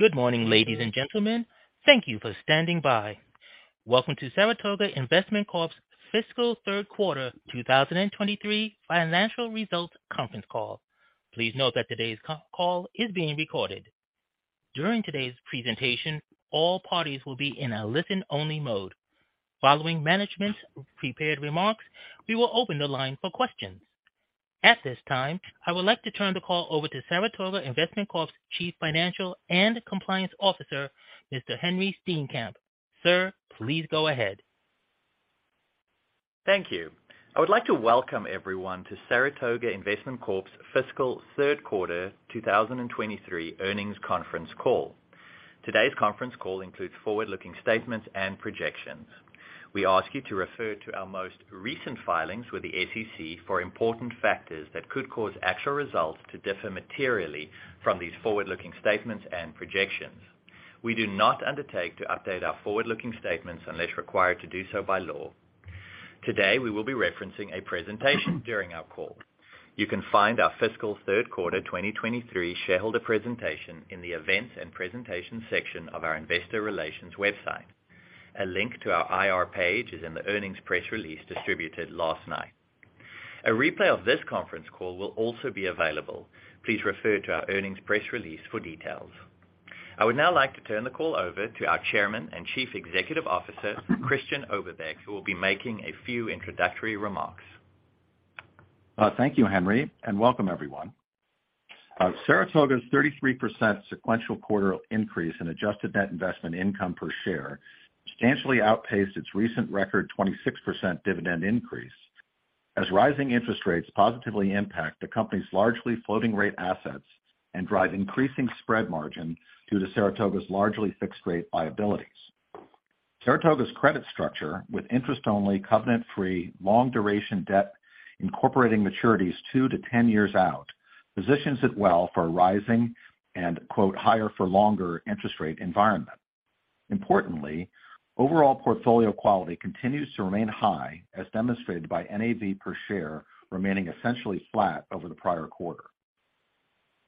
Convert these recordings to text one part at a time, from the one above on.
Good morning, ladies and gentlemen. Thank you for standing by. Welcome to Saratoga Investment Corp's fiscal third quarter 2023 financial results conference call. Please note that today's call is being recorded. During today's presentation, all parties will be in a listen-only mode. Following management's prepared remarks, we will open the line for questions. At this time, I would like to turn the call over to Saratoga Investment Corp's Chief Financial and Compliance Officer, Mr. Henri Steenkamp. Sir, please go ahead. Thank you. I would like to welcome everyone to Saratoga Investment Corp's fiscal third quarter 2023 earnings conference call. Today's conference call includes forward-looking statements and projections. We ask you to refer to our most recent filings with the SEC for important factors that could cause actual results to differ materially from these forward-looking statements and projections. We do not undertake to update our forward-looking statements unless required to do so by law. Today, we will be referencing a presentation during our call. You can find our fiscal third quarter 2023 shareholder presentation in the events and presentation section of our investor relations website. A link to our IR page is in the earnings press release distributed last night. A replay of this conference call will also be available. Please refer to our earnings press release for details. I would now like to turn the call over to our Chairman and Chief Executive Officer, Christian Oberbeck, who will be making a few introductory remarks. Thank you, Henri, and welcome everyone. Saratoga's 33% sequential quarter increase in adjusted net investment income per share substantially outpaced its recent record 26% dividend increase as rising interest rates positively impact the company's largely floating rate assets and drive increasing spread margin due to Saratoga's largely fixed rate liabilities. Saratoga's credit structure with interest-only covenant-free long duration debt, incorporating maturities two to 10 years out, positions it well for a rising and quote, "higher for longer interest rate environment." Importantly, overall portfolio quality continues to remain high, as demonstrated by NAV per share, remaining essentially flat over the prior quarter.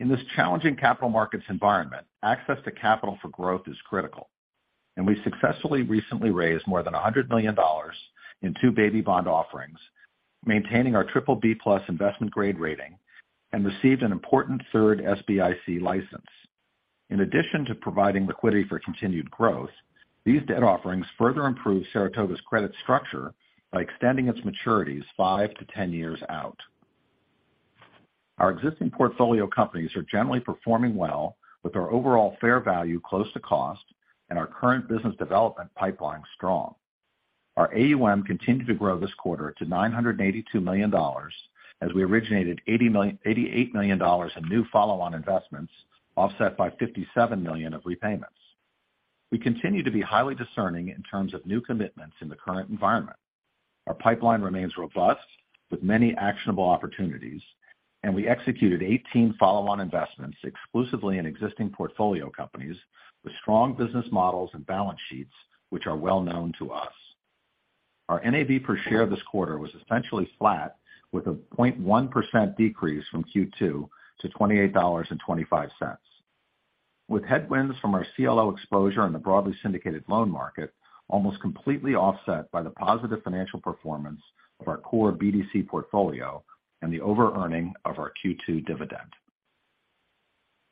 In this challenging capital markets environment, access to capital for growth is critical, and we successfully recently raised more than $100 million in two baby bond offerings, maintaining our triple B+ investment grade rating and received an important third SBIC license. In addition to providing liquidity for continued growth, these debt offerings further improve Saratoga's credit structure by extending its maturities five to 10 years out. Our existing portfolio companies are generally performing well with our overall fair value close to cost and our current business development pipeline strong. Our AUM continued to grow this quarter to $982 million as we originated $88 million in new follow-on investments, offset by $57 million of repayments. We continue to be highly discerning in terms of new commitments in the current environment. Our pipeline remains robust with many actionable opportunities. We executed 18 follow-on investments exclusively in existing portfolio companies with strong business models and balance sheets, which are well-known to us. Our NAV per share this quarter was essentially flat with a 0.1% decrease from Q2 to $28.25. With headwinds from our CLO exposure and the broadly syndicated loan market almost completely offset by the positive financial performance of our core BDC portfolio and the over-earning of our Q2 dividend.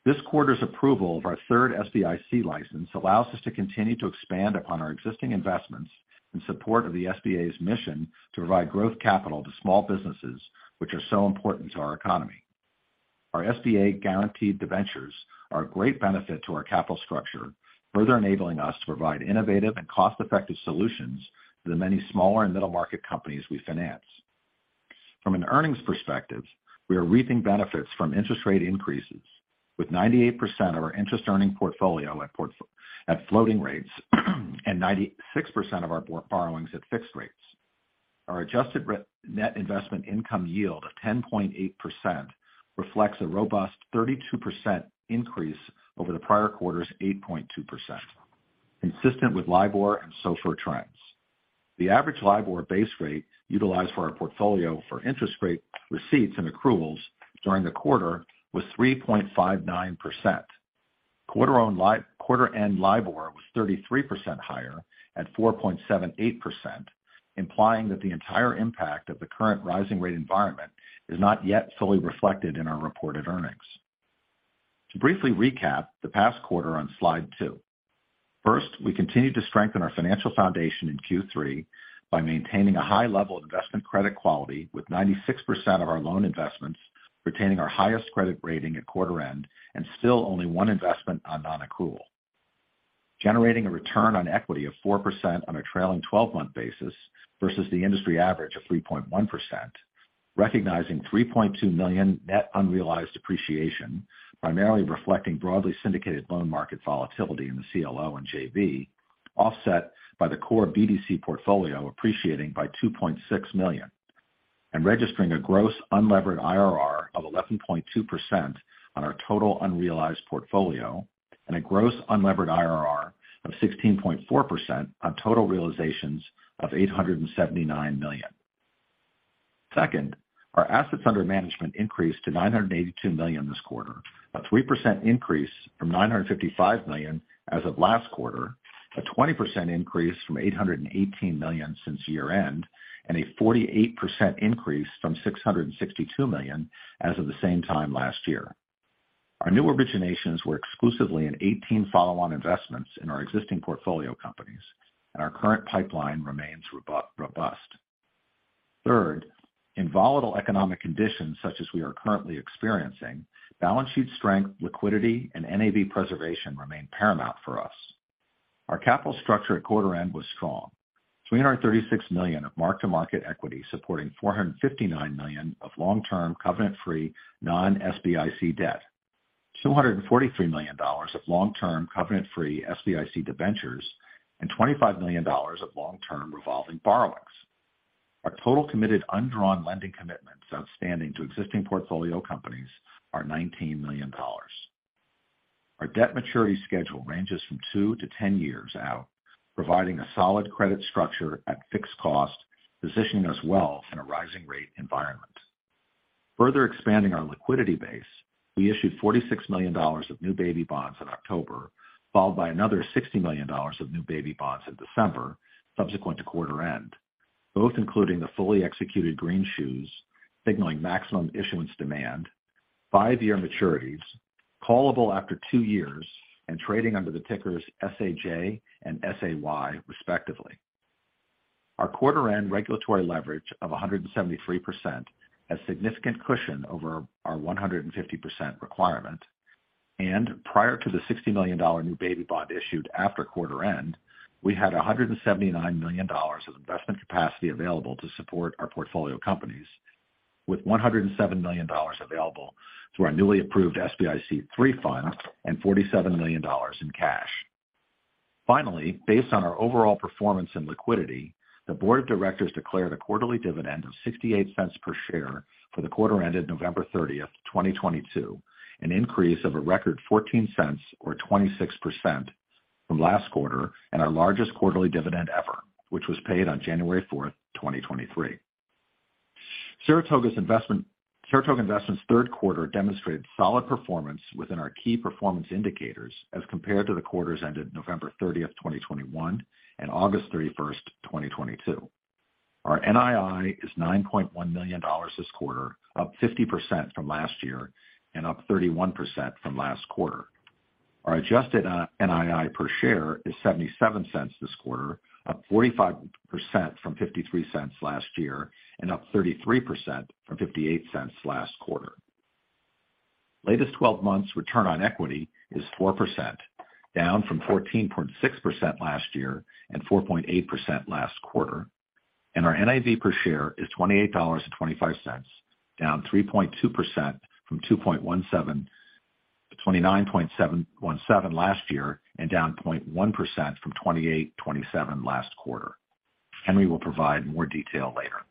This quarter's approval of our third SBIC license allows us to continue to expand upon our existing investments in support of the SBA's mission to provide growth capital to small businesses which are so important to our economy. Our SBA guaranteed debentures are a great benefit to our capital structure, further enabling us to provide innovative and cost-effective solutions to the many smaller and middle market companies we finance. From an earnings perspective, we are reaping benefits from interest rate increases, with 98% of our interest earning portfolio at floating rates and 96% of our borrowings at fixed rates. Our adjusted re-net investment income yield of 10.8% reflects a robust 32% increase over the prior quarter's 8.2%, consistent with LIBOR and SOFR trends. The average LIBOR base rate utilized for our portfolio for interest rate receipts and accruals during the quarter was 3.59%. Quarter end LIBOR was 33% higher at 4.78%, implying that the entire impact of the current rising rate environment is not yet fully reflected in our reported earnings. To briefly recap the past quarter on slide two. First, we continued to strengthen our financial foundation in Q3 by maintaining a high level of investment credit quality with 96% of our loan investments retaining our highest credit rating at quarter end and still only one investment on non-accrual. Generating a return on equity of 4% on a trailing 12-month basis versus the industry average of 3.1%, recognizing $3.2 million net unrealized appreciation, primarily reflecting broadly syndicated loan market volatility in the CLO and JV, offset by the core BDC portfolio appreciating by $2.6 million. Registering a gross unlevered IRR of 11.2% on our total unrealized portfolio and a gross unlevered IRR of 16.4% on total realizations of $879 million. Second, our assets under management increased to $982 million this quarter, a 3% increase from $955 million as of last quarter, a 20% increase from $818 million since year-end, and a 48% increase from $662 million as of the same time last year. Our new originations were exclusively in 18 follow-on investments in our existing portfolio companies. Our current pipeline remains robo-robust. Third, in volatile economic conditions such as we are currently experiencing, balance sheet strength, liquidity, and NAV preservation remain paramount for us. Our capital structure at quarter end was strong. $336 million of mark-to-market equity supporting $459 million of long-term covenant-free non-SBIC debt, $243 million of long-term covenant-free SBIC debentures, and $25 million of long-term revolving borrowings. Our total committed undrawn lending commitments outstanding to existing portfolio companies are $19 million. Our debt maturity schedule ranges from two to 10 years out, providing a solid credit structure at fixed cost, positioning us well in a rising rate environment. Further expanding our liquidity base, we issued $46 million of new baby bonds in October, followed by another $60 million of new baby bonds in December subsequent to quarter end, both including the fully executed green shoes signaling maximum issuance demand, five-year maturities, callable after two years, and trading under the tickers SAJ and SAY respectively. Our quarter end regulatory leverage of 173% has significant cushion over our 150% requirement. Prior to the $60 million new baby bond issued after quarter end, we had $179 million of investment capacity available to support our portfolio companies with $107 million available through our newly approved SBIC III fund and $47 million in cash. Based on our overall performance and liquidity, the board of directors declared a quarterly dividend of $0.68 per share for the quarter ended November 30th, 2022, an increase of a record $0.14 or 26% from last quarter and our largest quarterly dividend ever, which was paid on January 4th, 2023. Saratoga Investments 3rd quarter demonstrated solid performance within our key performance indicators as compared to the quarters ended November 30th, 2021 and August 31st, 2022. Our NII is $9.1 million this quarter, up 50% from last year and up 31% from last quarter. Our adjusted NII per share is $0.77 this quarter, up 45% from $0.53 last year and up 33% from $0.58 last quarter. Latest 12 months return on equity is 4%, down from 14.6% last year and 4.8% last quarter. Our NAV per share is $28.25, down 3.2% from $29.17 last year and down 0.1% from $28.27 last quarter. Henri will provide more detail later.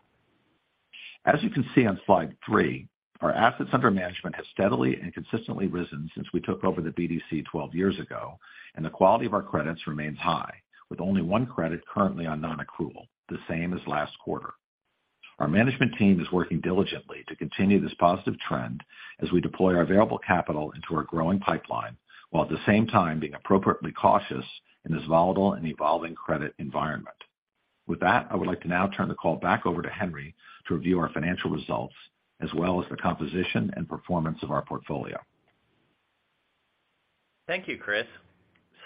As you can see on slide three, our assets under management has steadily and consistently risen since we took over the BDC 12 years ago. The quality of our credits remains high. With only one credit currently on non-accrual, the same as last quarter. Our management team is working diligently to continue this positive trend as we deploy our available capital into our growing pipeline while at the same time being appropriately cautious in this volatile and evolving credit environment. With that, I would like to now turn the call back over to Henri to review our financial results as well as the composition and performance of our portfolio. Thank you, Chris.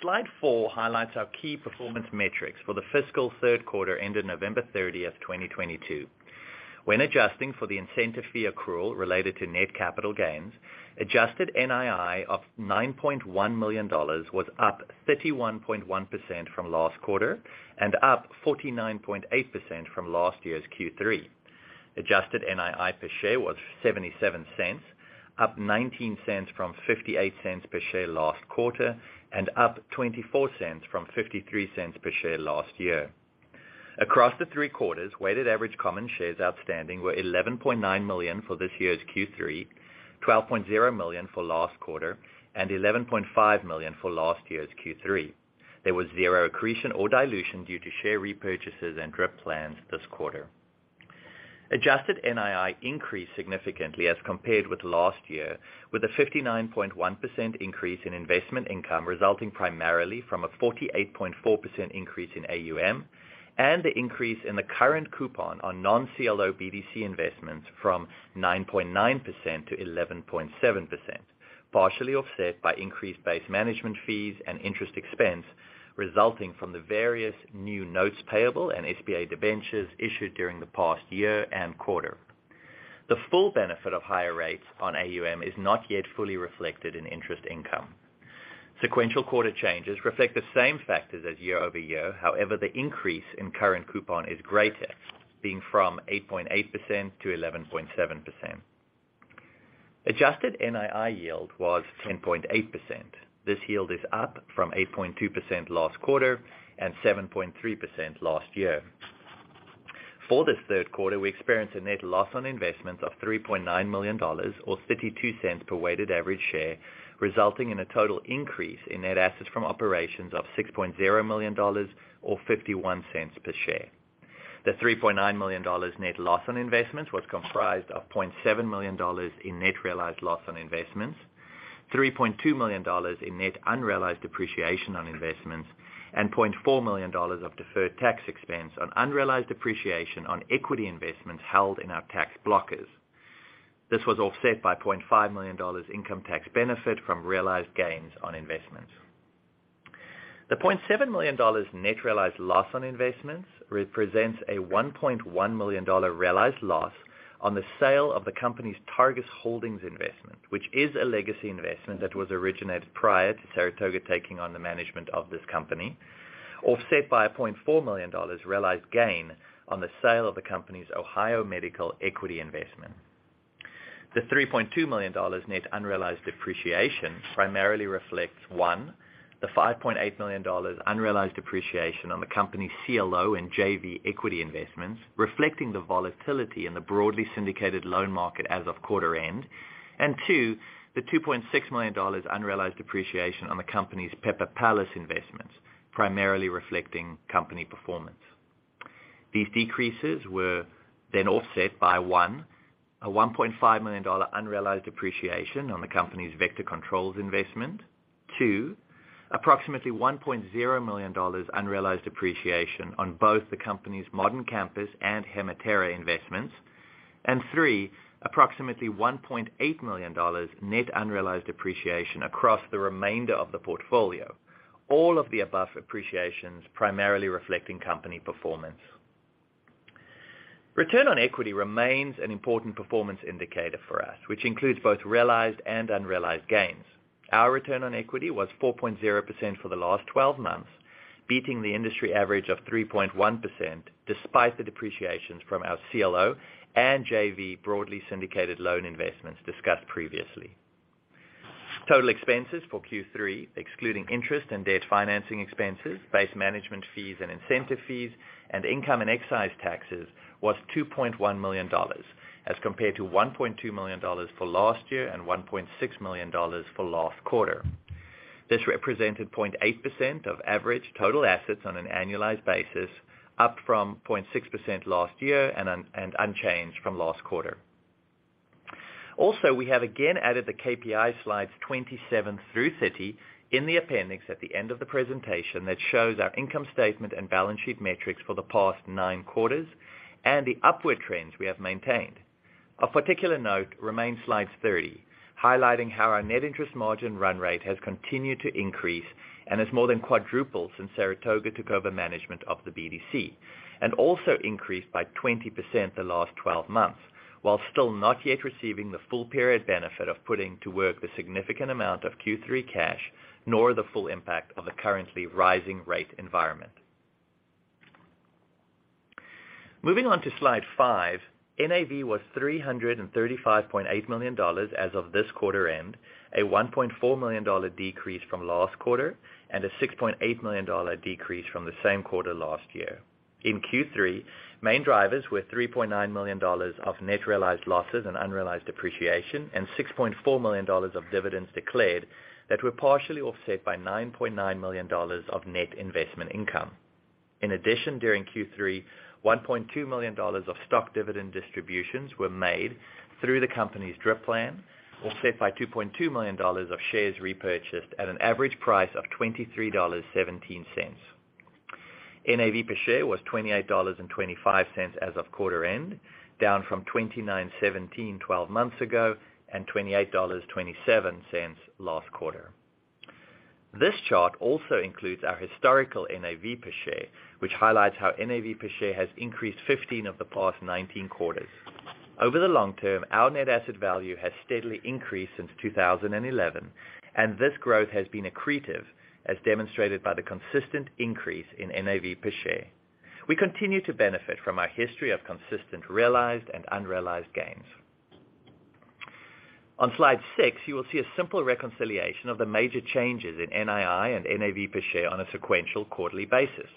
Slide four highlights our key performance metrics for the fiscal third quarter ended November 30th, 2022. When adjusting for the incentive fee accrual related to net capital gains, adjusted NII of $9.1 million was up 31.1% from last quarter and up 49.8% from last year's Q3. Adjusted NII per share was $0.77, up $0.19 from $0.58 per share last quarter, and up $0.24 from $0.53 per share last year. Across the three quarters, weighted average common shares outstanding were 11.9 million for this year's Q3, 12.0 million for last quarter, and 11.5 million for last year's Q3. There was 0 accretion or dilution due to share repurchases and DRIP plans this quarter. Adjusted NII increased significantly as compared with last year, with a 59.1% increase in investment income resulting primarily from a 48.4% increase in AUM and the increase in the current coupon on non-CLO BDC investments from 9.9% to 11.7%, partially offset by increased base management fees and interest expense resulting from the various new notes payable and SBA debentures issued during the past year and quarter. The full benefit of higher rates on AUM is not yet fully reflected in interest income. Sequential quarter changes reflect the same factors as year-over-year. The increase in current coupon is greater, being from 8.8% to 11.7%. Adjusted NII yield was 10.8%. This yield is up from 8.2% last quarter and 7.3% last year. For this third quarter, we experienced a net loss on investments of $3.9 million or $0.52 per weighted average share, resulting in a total increase in net assets from operations of $6.0 million or $0.51 per share. The $3.9 million net loss on investments was comprised of $0.7 million in net realized loss on investments, $3.2 million in net unrealized depreciation on investments, and $0.4 million of deferred tax expense on unrealized depreciation on equity investments held in our tax blockers. This was offset by $0.5 million income tax benefit from realized gains on investments. The $0.7 million net realized loss on investments represents a $1.1 million realized loss on the sale of the company's Targus Holdings investment, which is a legacy investment that was originated prior to Saratoga taking on the management of this company, offset by a $0.4 million realized gain on the sale of the company's Ohio Medical Equity investment. The $3.2 million net unrealized depreciation primarily reflects, one, the $5.8 million unrealized appreciation on the company's CLO and JV equity investments, reflecting the volatility in the broadly syndicated loan market as of quarter-end. Two, the $2.6 million unrealized appreciation on the company's Pepper Palace investments, primarily reflecting company performance. These decreases were offset by, one, a $1.5 million unrealized appreciation on the company's Vector Controls investment. Two, approximately $1.0 million unrealized appreciation on both the company's Modern Campus and HemaTerra investments. Three, approximately $1.8 million net unrealized appreciation across the remainder of the portfolio. All of the above appreciations primarily reflecting company performance. Return on equity remains an important performance indicator for us, which includes both realized and unrealized gains. Our return on equity was 4.0% for the last 12 months, beating the industry average of 3.1% despite the depreciations from our CLO and JV broadly syndicated loan investments discussed previously. Total expenses for Q3, excluding interest and debt financing expenses, base management fees and incentive fees, and income and excise taxes was $2.1 million as compared to $1.2 million for last year and $1.6 million for last quarter. This represented 0.8% of average total assets on an annualized basis, up from 0.6% last year and unchanged from last quarter. Also, we have again added the KPI slides 27 through 30 in the appendix at the end of the presentation that shows our income statement and balance sheet metrics for the past 9 quarters and the upward trends we have maintained. Of particular note remain slides 30, highlighting how our net interest margin run rate has continued to increase and has more than quadrupled since Saratoga took over management of the BDC. Also increased by 20% the last 12 months, while still not yet receiving the full period benefit of putting to work the significant amount of Q3 cash, nor the full impact of the currently rising rate environment. Moving on to slide five. NAV was $335.8 million as of this quarter-end, a $1.4 million decrease from last quarter, and a $6.8 million decrease from the same quarter last year. In Q3, main drivers were $3.9 million of net realized losses and unrealized appreciation, and $6.4 million of dividends declared that were partially offset by $9.9 million of net investment income. In addition, during Q3, $1.2 million of stock dividend distributions were made through the company's DRIP plan, offset by $2.2 million of shares repurchased at an average price of $23.17. NAV per share was $28.25 as of quarter-end, down from $29.17 12 months ago and $28.27 last quarter. This chart also includes our historical NAV per share, which highlights how NAV per share has increased 15 of the past 19 quarters. Over the long term, our net asset value has steadily increased since 2011, and this growth has been accretive, as demonstrated by the consistent increase in NAV per share. We continue to benefit from our history of consistent realized and unrealized gains. On slide six, you will see a simple reconciliation of the major changes in NII and NAV per share on a sequential quarterly basis.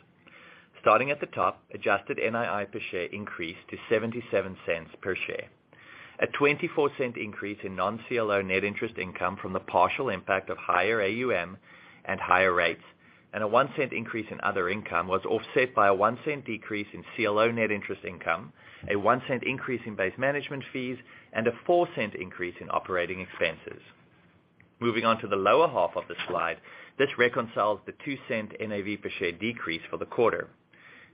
Starting at the top, adjusted NII per share increased to $0.77 per share. A $0.24 increase in non-CLO net interest income from the partial impact of higher AUM and higher rates, and a $0.01 increase in other income was offset by a $0.01 decrease in CLO net interest income, a $0.01 increase in base management fees, and a $0.04 increase in operating expenses. Moving on to the lower half of the slide. This reconciles the $0.02 NAV per share decrease for the quarter.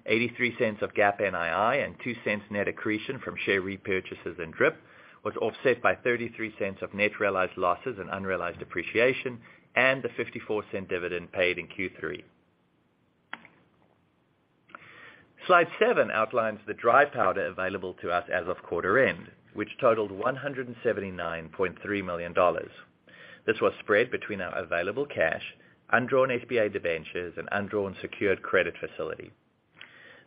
$0.83 of GAAP NII and $0.02 net accretion from share repurchases and DRIP was offset by $0.33 of net realized losses and unrealized appreciation, and the $0.54 dividend paid in Q3. Slide seven outlines the dry powder available to us as of quarter end, which totaled $179.3 million. This was spread between our available cash, undrawn SBA debentures, and undrawn secured credit facility.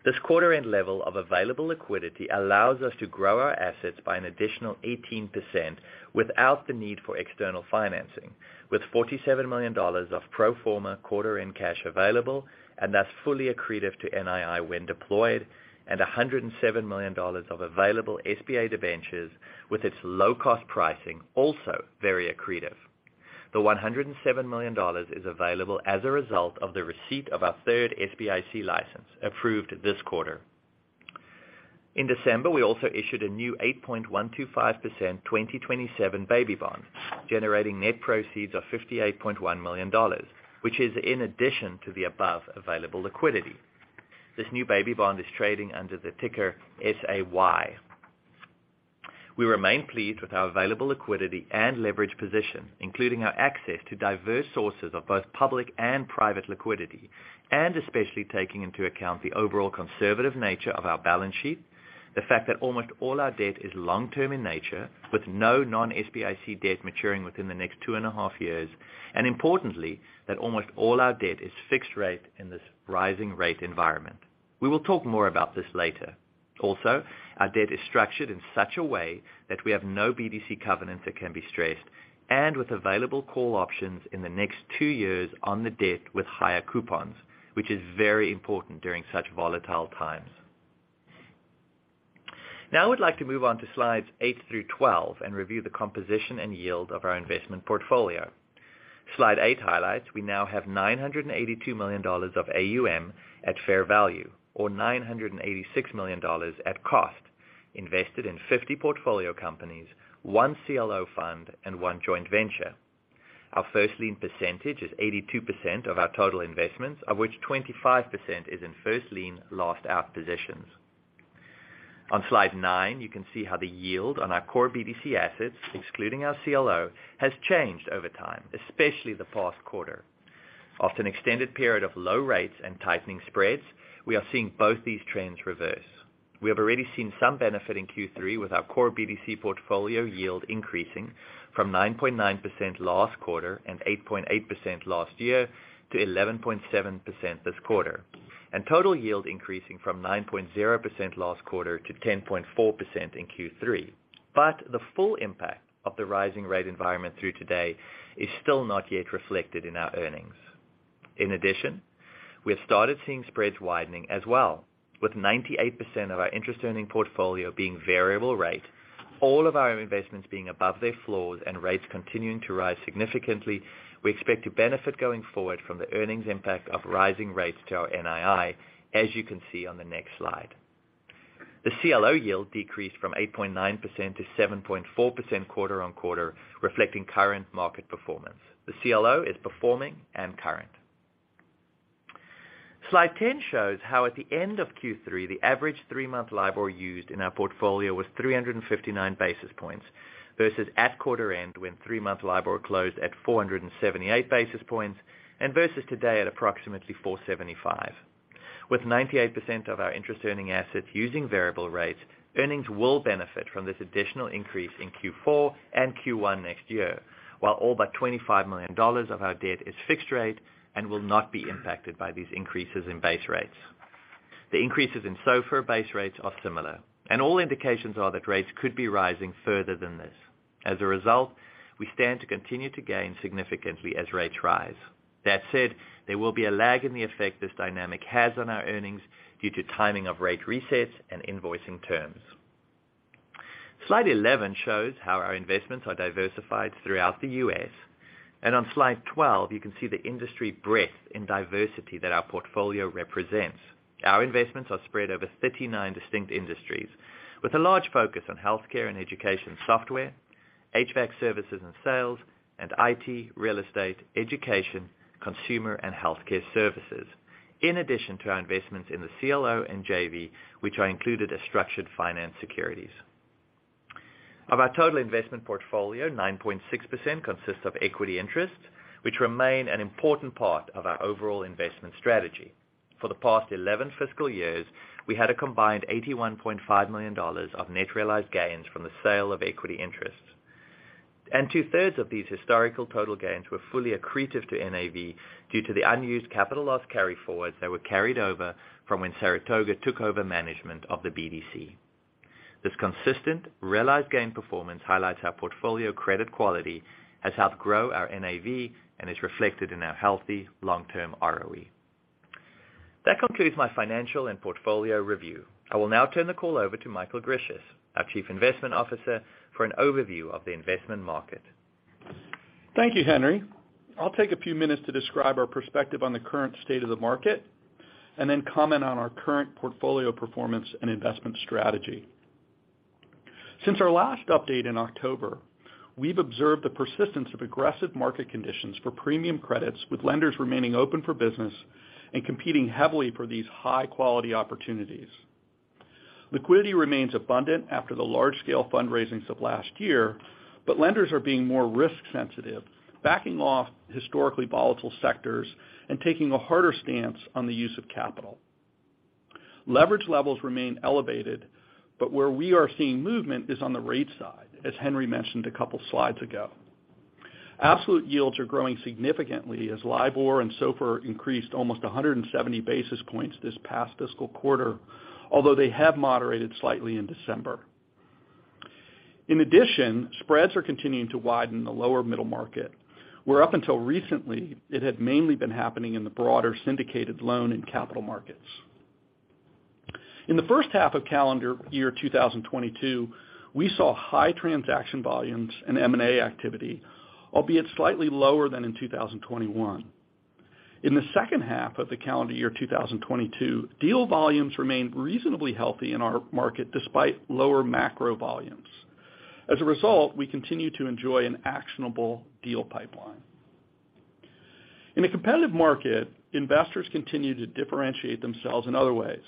This quarter end level of available liquidity allows us to grow our assets by an additional 18% without the need for external financing, with $47 million of pro forma quarter-end cash available, and thus fully accretive to NII when deployed, and $107 million of available SBA debentures with its low cost pricing also very accretive. The $107 million is available as a result of the receipt of our third SBIC license approved this quarter. In December, we also issued a new 8.125% 2027 baby bond, generating net proceeds of $58.1 million, which is in addition to the above available liquidity. This new baby bond is trading under the ticker SAY. We remain pleased with our available liquidity and leverage position, including our access to diverse sources of both public and private liquidity, and especially taking into account the overall conservative nature of our balance sheet. The fact that almost all our debt is long-term in nature, with no non-SBIC debt maturing within the next two and a half years, and importantly, that almost all our debt is fixed rate in this rising rate environment. We will talk more about this later. Our debt is structured in such a way that we have no BDC covenants that can be stressed, and with available call options in the next two years on the debt with higher coupons, which is very important during such volatile times. I would like to move on to slides eight through 12 and review the composition and yield of our investment portfolio. Slide eight highlights we now have $982 million of AUM at fair value, or $986 million at cost invested in 50 portfolio companies, one CLO fund, and one joint venture. Our first lien percentage is 82% of our total investments, of which 25% is in first lien lost out positions. On slide nine, you can see how the yield on our core BDC assets, excluding our CLO, has changed over time, especially the past quarter. After an extended period of low rates and tightening spreads, we are seeing both these trends reverse. We have already seen some benefit in Q3 with our core BDC portfolio yield increasing from 9.9% last quarter and 8.8% last year to 11.7% this quarter. Total yield increasing from 9.0% last quarter to 10.4% in Q3. The full impact of the rising rate environment through today is still not yet reflected in our earnings. In addition, we have started seeing spreads widening as well, with 98% of our interest earning portfolio being variable rate, all of our investments being above their floors and rates continuing to rise significantly. We expect to benefit going forward from the earnings impact of rising rates to our NII, as you can see on the next slide. The CLO yield decreased from 8.9% to 7.4% quarter-on-quarter, reflecting current market performance. The CLO is performing and current. Slide 10 shows how at the end of Q3, the average three-month LIBOR used in our portfolio was 359 basis points versus at quarter end when three-month LIBOR closed at 478 basis points and versus today at approximately 475. With 98% of our interest earning assets using variable rates, earnings will benefit from this additional increase in Q4 and Q1 next year. All but $25 million of our debt is fixed rate and will not be impacted by these increases in base rates. The increases in SOFR base rates are similar, and all indications are that rates could be rising further than this. As a result, we stand to continue to gain significantly as rates rise. That said, there will be a lag in the effect this dynamic has on our earnings due to timing of rate resets and invoicing terms. Slide 11 shows how our investments are diversified throughout the U.S. On slide 12, you can see the industry breadth and diversity that our portfolio represents. Our investments are spread over 39 distinct industries with a large focus on healthcare and education software, HVAC services and sales, and IT, real estate, education, consumer and healthcare services. In addition to our investments in the CLO and JV, which are included as structured finance securities. Of our total investment portfolio, 9.6% consists of equity interests, which remain an important part of our overall investment strategy. For the past 11 fiscal years, we had a combined $81.5 million of net realized gains from the sale of equity interests. Two-thirds of these historical total gains were fully accretive to NAV due to the unused capital loss carryforwards that were carried over from when Saratoga took over management of the BDC. This consistent realized gain performance highlights our portfolio credit quality has helped grow our NAV and is reflected in our healthy long-term ROE. That concludes my financial and portfolio review. I will now turn the call over to Michael Grisius, our Chief Investment Officer, for an overview of the investment market. Thank you, Henri. I'll take a few minutes to describe our perspective on the current state of the market, and then comment on our current portfolio performance and investment strategy. Since our last update in October, we've observed the persistence of aggressive market conditions for premium credits, with lenders remaining open for business and competing heavily for these high-quality opportunities. Liquidity remains abundant after the large-scale fundraisings of last year, but lenders are being more risk sensitive, backing off historically volatile sectors and taking a harder stance on the use of capital. Leverage levels remain elevated, but where we are seeing movement is on the rate side, as Henri mentioned a couple slides ago. Absolute yields are growing significantly as LIBOR and SOFR increased almost 170 basis points this past fiscal quarter. Although they have moderated slightly in December. In addition, spreads are continuing to widen the lower middle market, where up until recently, it had mainly been happening in the broader syndicated loan and capital markets. In the first half of calendar year 2022, we saw high transaction volumes and M&A activity, albeit slightly lower than in 2021. In the second half of the calendar year 2022, deal volumes remained reasonably healthy in our market despite lower macro volumes. As a result, we continue to enjoy an actionable deal pipeline. In a competitive market, investors continue to differentiate themselves in other ways,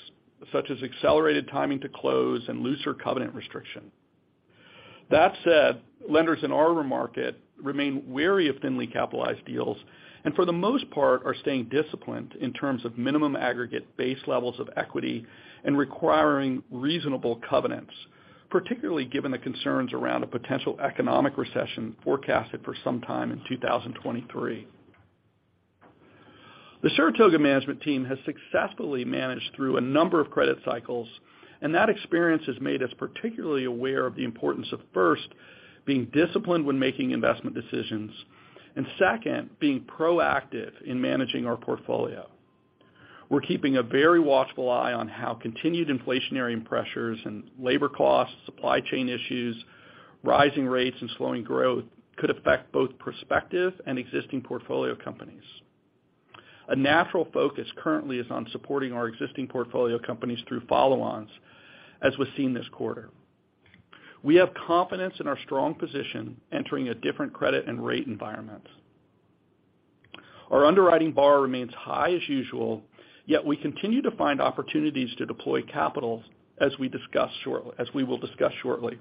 such as accelerated timing to close and looser covenant restriction. That said, lenders in our market remain wary of thinly capitalized deals, and for the most part, are staying disciplined in terms of minimum aggregate base levels of equity and requiring reasonable covenants, particularly given the concerns around a potential economic recession forecasted for some time in 2023. The Saratoga management team has successfully managed through a number of credit cycles, and that experience has made us particularly aware of the importance of, first, being disciplined when making investment decisions, and second, being proactive in managing our portfolio. We're keeping a very watchful eye on how continued inflationary pressures and labor costs, supply chain issues, rising rates, and slowing growth could affect both prospective and existing portfolio companies. A natural focus currently is on supporting our existing portfolio companies through follow-ons, as we've seen this quarter. We have confidence in our strong position entering a different credit and rate environments. Our underwriting bar remains high as usual, yet we continue to find opportunities to deploy capital as we will discuss shortly.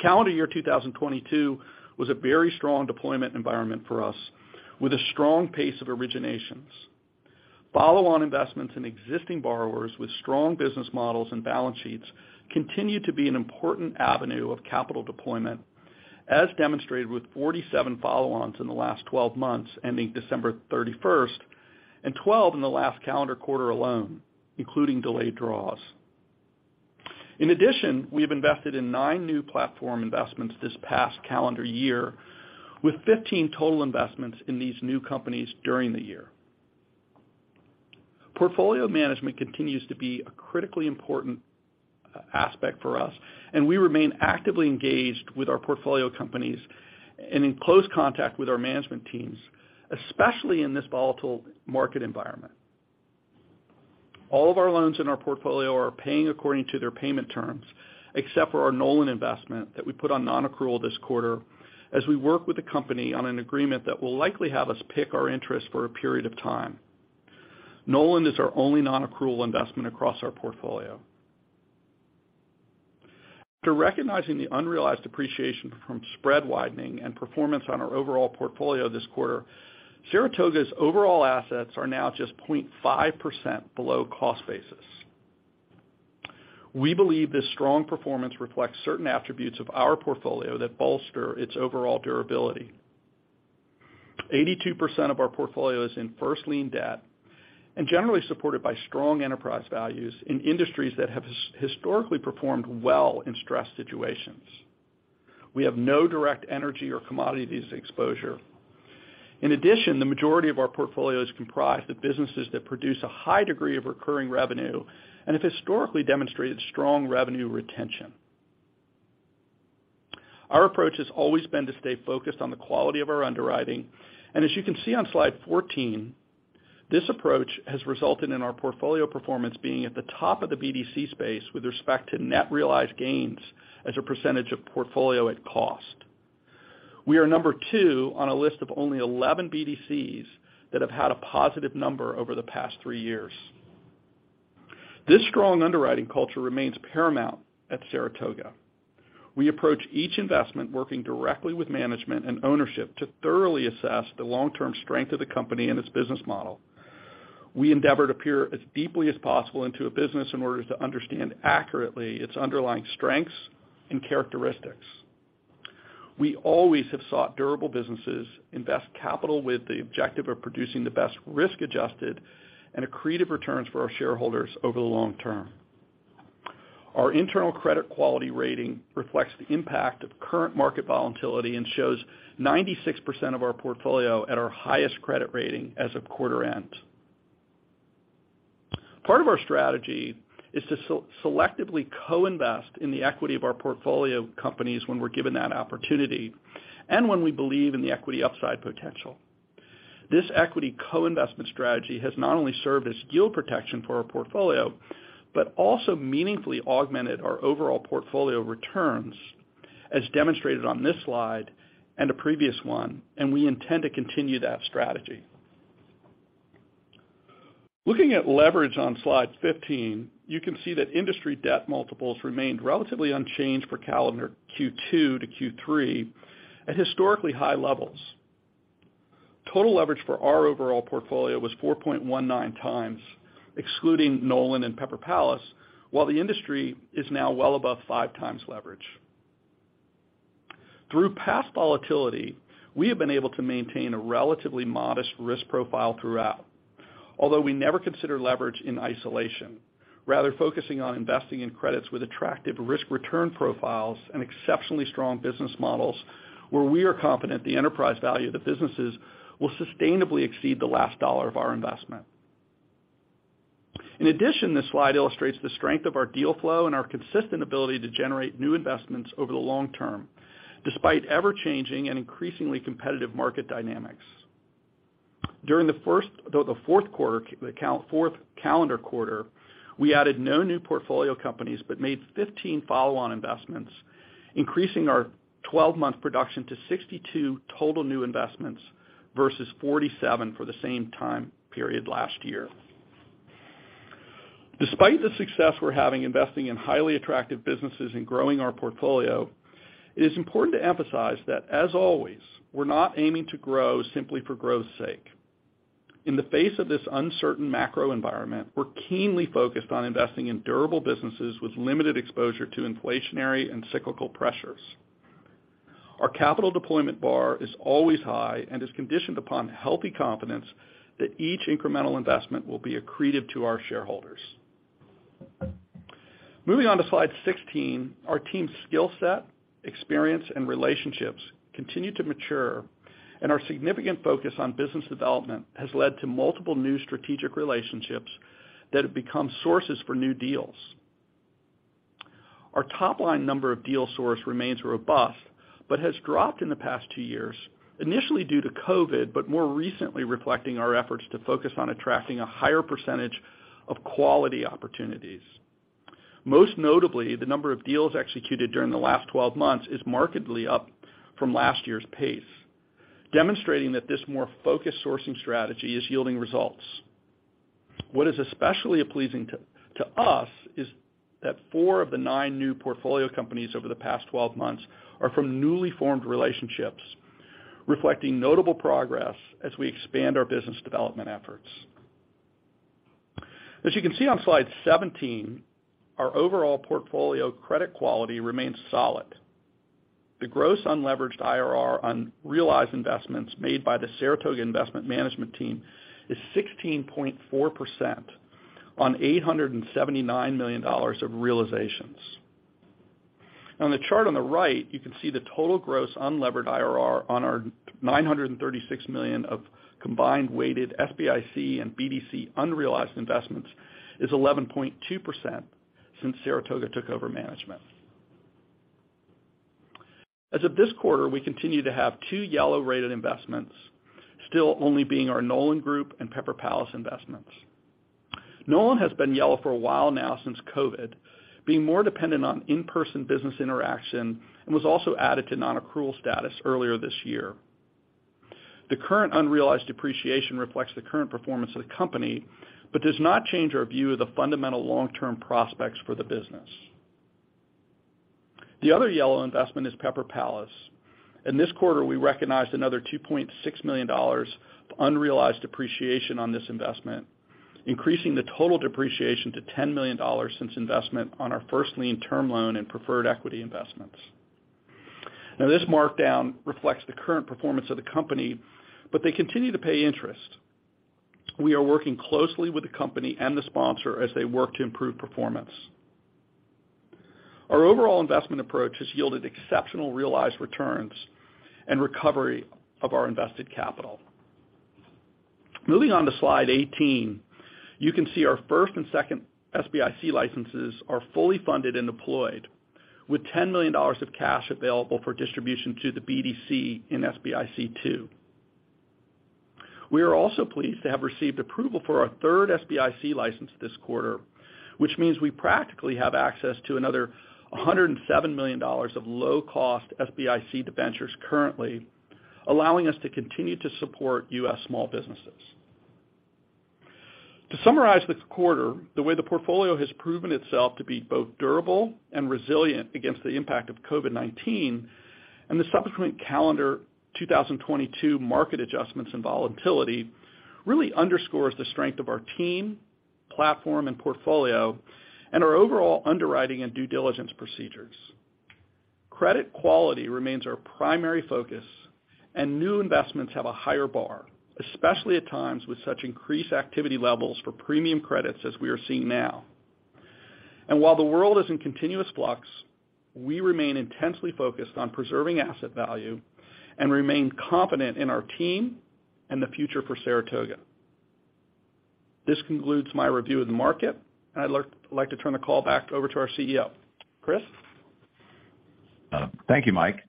Calendar year 2022 was a very strong deployment environment for us with a strong pace of originations. Follow-on investments in existing borrowers with strong business models and balance sheets continue to be an important avenue of capital deployment, as demonstrated with 47 follow-ons in the last 12 months, ending December 31st, and 12 in the last calendar quarter alone, including delayed draws. In addition, we have invested in nine new platform investments this past calendar year with 15 total investments in these new companies during the year. Portfolio management continues to be a critically important aspect for us, and we remain actively engaged with our portfolio companies and in close contact with our management teams, especially in this volatile market environment. All of our loans in our portfolio are paying according to their payment terms, except for our Nolan investment that we put on non-accrual this quarter as we work with the company on an agreement that will likely have us pick our interest for a period of time. Nolan is our only non-accrual investment across our portfolio. After recognizing the unrealized appreciation from spread widening and performance on our overall portfolio this quarter, Saratoga's overall assets are now just 0.5% below cost basis. We believe this strong performance reflects certain attributes of our portfolio that bolster its overall durability. 82% of our portfolio is in first-lien debt and generally supported by strong enterprise values in industries that have historically performed well in stress situations. We have no direct energy or commodities exposure. In addition, the majority of our portfolio is comprised of businesses that produce a high degree of recurring revenue and have historically demonstrated strong revenue retention. Our approach has always been to stay focused on the quality of our underwriting. As you can see on slide 14, this approach has resulted in our portfolio performance being at the top of the BDC space with respect to net realized gains as a percentage of portfolio at cost. We are number two on a list of only 11 BDCs that have had a positive number over the past three years. This strong underwriting culture remains paramount at Saratoga. We approach each investment working directly with management and ownership to thoroughly assess the long-term strength of the company and its business model. We endeavor to peer as deeply as possible into a business in order to understand accurately its underlying strengths and characteristics. We always have sought durable businesses, invest capital with the objective of producing the best risk-adjusted and accretive returns for our shareholders over the long term. Our internal credit quality rating reflects the impact of current market volatility and shows 96% of our portfolio at our highest credit rating as of quarter end. Part of our strategy is to selectively co-invest in the equity of our portfolio companies when we're given that opportunity and when we believe in the equity upside potential. This equity co-investment strategy has not only served as yield protection for our portfolio, but also meaningfully augmented our overall portfolio returns, as demonstrated on this slide and the previous one. We intend to continue that strategy. Looking at leverage on slide 15, you can see that industry debt multiples remained relatively unchanged for calendar Q2 to Q3 at historically high levels. Total leverage for our overall portfolio was 4.19x, excluding Nolan and Pepper Palace, while the industry is now well above 5x leverage. Through past volatility, we have been able to maintain a relatively modest risk profile throughout, although we never consider leverage in isolation. Rather, focusing on investing in credits with attractive risk-return profiles and exceptionally strong business models where we are confident the enterprise value of the businesses will sustainably exceed the last dollar of our investment. This slide illustrates the strength of our deal flow and our consistent ability to generate new investments over the long term, despite ever-changing and increasingly competitive market dynamics. During the fourth calendar quarter, we added no new portfolio companies but made 15 follow-on investments, increasing our 12-month production to 62 total new investments versus 47 for the same time period last year. Despite the success we're having investing in highly attractive businesses and growing our portfolio, it is important to emphasize that, as always, we're not aiming to grow simply for growth's sake. In the face of this uncertain macro environment, we're keenly focused on investing in durable businesses with limited exposure to inflationary and cyclical pressures. Our capital deployment bar is always high and is conditioned upon healthy confidence that each incremental investment will be accretive to our shareholders. Moving on to slide 16, our team's skill set, experience, and relationships continue to mature. Our significant focus on business development has led to multiple new strategic relationships that have become sources for new deals. Our top-line number of deal source remains robust but has dropped in the past two years, initially due to COVID, but more recently reflecting our efforts to focus on attracting a higher percentage of quality opportunities. Most notably, the number of deals executed during the last 12 months is markedly up from last year's pace, demonstrating that this more focused sourcing strategy is yielding results. What is especially pleasing to us is that four of the nine new portfolio companies over the past 12 months are from newly formed relationships, reflecting notable progress as we expand our business development efforts. As you can see on slide 17, our overall portfolio credit quality remains solid. The gross unleveraged IRR on realized investments made by the Saratoga Investment management team is 16.4% on $879 million of realizations. On the chart on the right, you can see the total gross unlevered IRR on our $936 million of combined weighted SBIC and BDC unrealized investments is 11.2% since Saratoga took over management. As of this quarter, we continue to have two yellow-rated investments, still only being our Nolan Group and Pepper Palace investments. Nolan has been yellow for a while now since COVID, being more dependent on in-person business interaction and was also added to non-accrual status earlier this year. The current unrealized depreciation reflects the current performance of the company but does not change our view of the fundamental long-term prospects for the business. The other yellow investment is Pepper Palace. In this quarter, we recognized another $2.6 million of unrealized depreciation on this investment, increasing the total depreciation to $10 million since investment on our first lien term loan in preferred equity investments. This markdown reflects the current performance of the company, but they continue to pay interest. We are working closely with the company and the sponsor as they work to improve performance. Our overall investment approach has yielded exceptional realized returns and recovery of our invested capital. Moving on to slide 18, you can see our first and second SBIC licenses are fully funded and deployed with $10 million of cash available for distribution to the BDC in SBIC II. We are also pleased to have received approval for our third SBIC license this quarter, which means we practically have access to another $107 million of low-cost SBIC debentures currently, allowing us to continue to support U.S. small businesses. To summarize this quarter, the way the portfolio has proven itself to be both durable and resilient against the impact of COVID-19 and the subsequent calendar 2022 market adjustments and volatility really underscores the strength of our team, platform, and portfolio, and our overall underwriting and due diligence procedures. Credit quality remains our primary focus, new investments have a higher bar, especially at times with such increased activity levels for premium credits as we are seeing now. While the world is in continuous flux, we remain intensely focused on preserving asset value and remain confident in our team and the future for Saratoga. This concludes my review of the market, I'd like to turn the call back over to our CEO. Chris? Thank you, Mike.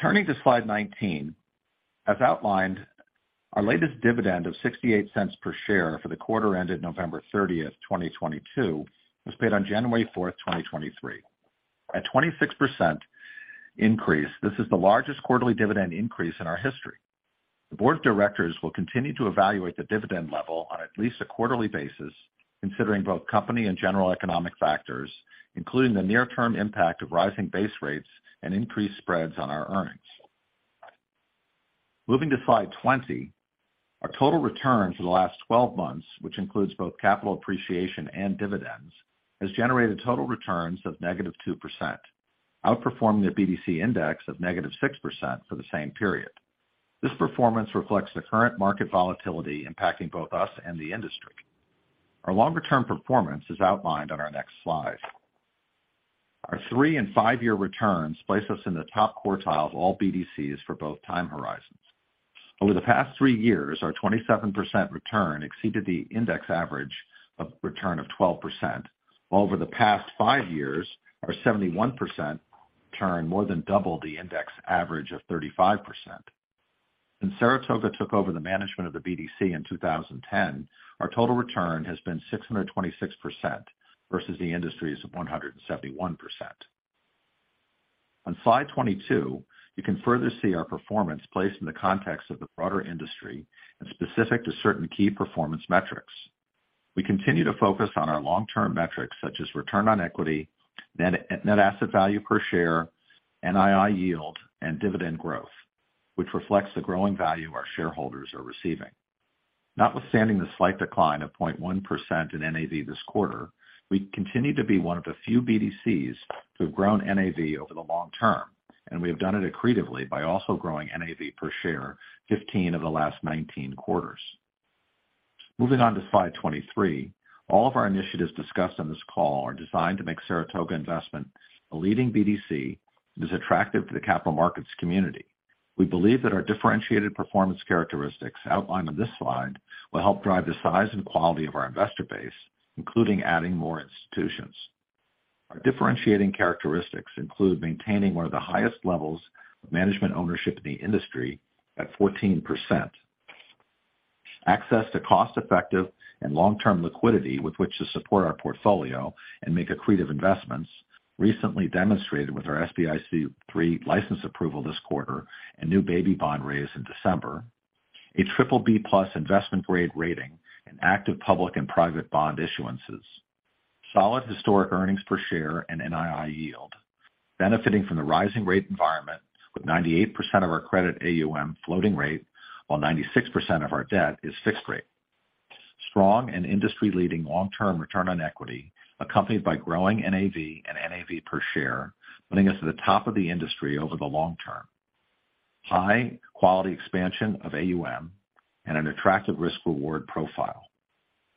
Turning to slide 19, as outlined, our latest dividend of $0.68 per share for the quarter ended November 30, 2022, was paid on January 4th, 2023. At 26% increase, this is the largest quarterly dividend increase in our history. The board of directors will continue to evaluate the dividend level on at least a quarterly basis, considering both company and general economic factors, including the near-term impact of rising base rates and increased spreads on our earnings. Moving to slide 20, our total returns for the last 12 months, which includes both capital appreciation and dividends, has generated total returns of -2%, outperforming the BDC index of -6% for the same period. This performance reflects the current market volatility impacting both us and the industry. Our longer-term performance is outlined on our next slide. Our three and five-year returns place us in the top quartile of all BDCs for both time horizons. Over the past three years, our 27% return exceeded the index average of return of 12%. Over the past three years, our 71% return more than doubled the index average of 35%. When Saratoga took over the management of the BDC in 2010, our total return has been 626% versus the industry's 171%. On slide 22, you can further see our performance placed in the context of the broader industry and specific to certain key performance metrics. We continue to focus on our long-term metrics such as return on equity, net asset value per share, NII yield, and dividend growth, which reflects the growing value our shareholders are receiving. Notwithstanding the slight decline of 0.1% in NAV this quarter, we continue to be one of the few BDCs to have grown NAV over the long term. We have done it accretively by also growing NAV per share 15 of the last 19 quarters. Moving on to slide 23. All of our initiatives discussed on this call are designed to make Saratoga Investment a leading BDC that is attractive to the capital markets community. We believe that our differentiated performance characteristics outlined on this slide will help drive the size and quality of our investor base, including adding more institutions. Our differentiating characteristics include maintaining one of the highest levels of management ownership in the industry at 14%. Access to cost-effective and long-term liquidity with which to support our portfolio and make accretive investments recently demonstrated with our SBIC III license approval this quarter and new baby bond raise in December. A triple B+ investment-grade rating in active public and private bond issuances. Solid historic earnings per share and NII yield benefiting from the rising rate environment, with 98% of our credit AUM floating rate, while 96% of our debt is fixed rate. Strong and industry-leading long-term return on equity, accompanied by growing NAV and NAV per share, putting us at the top of the industry over the long term. High-quality expansion of AUM and an attractive risk-reward profile.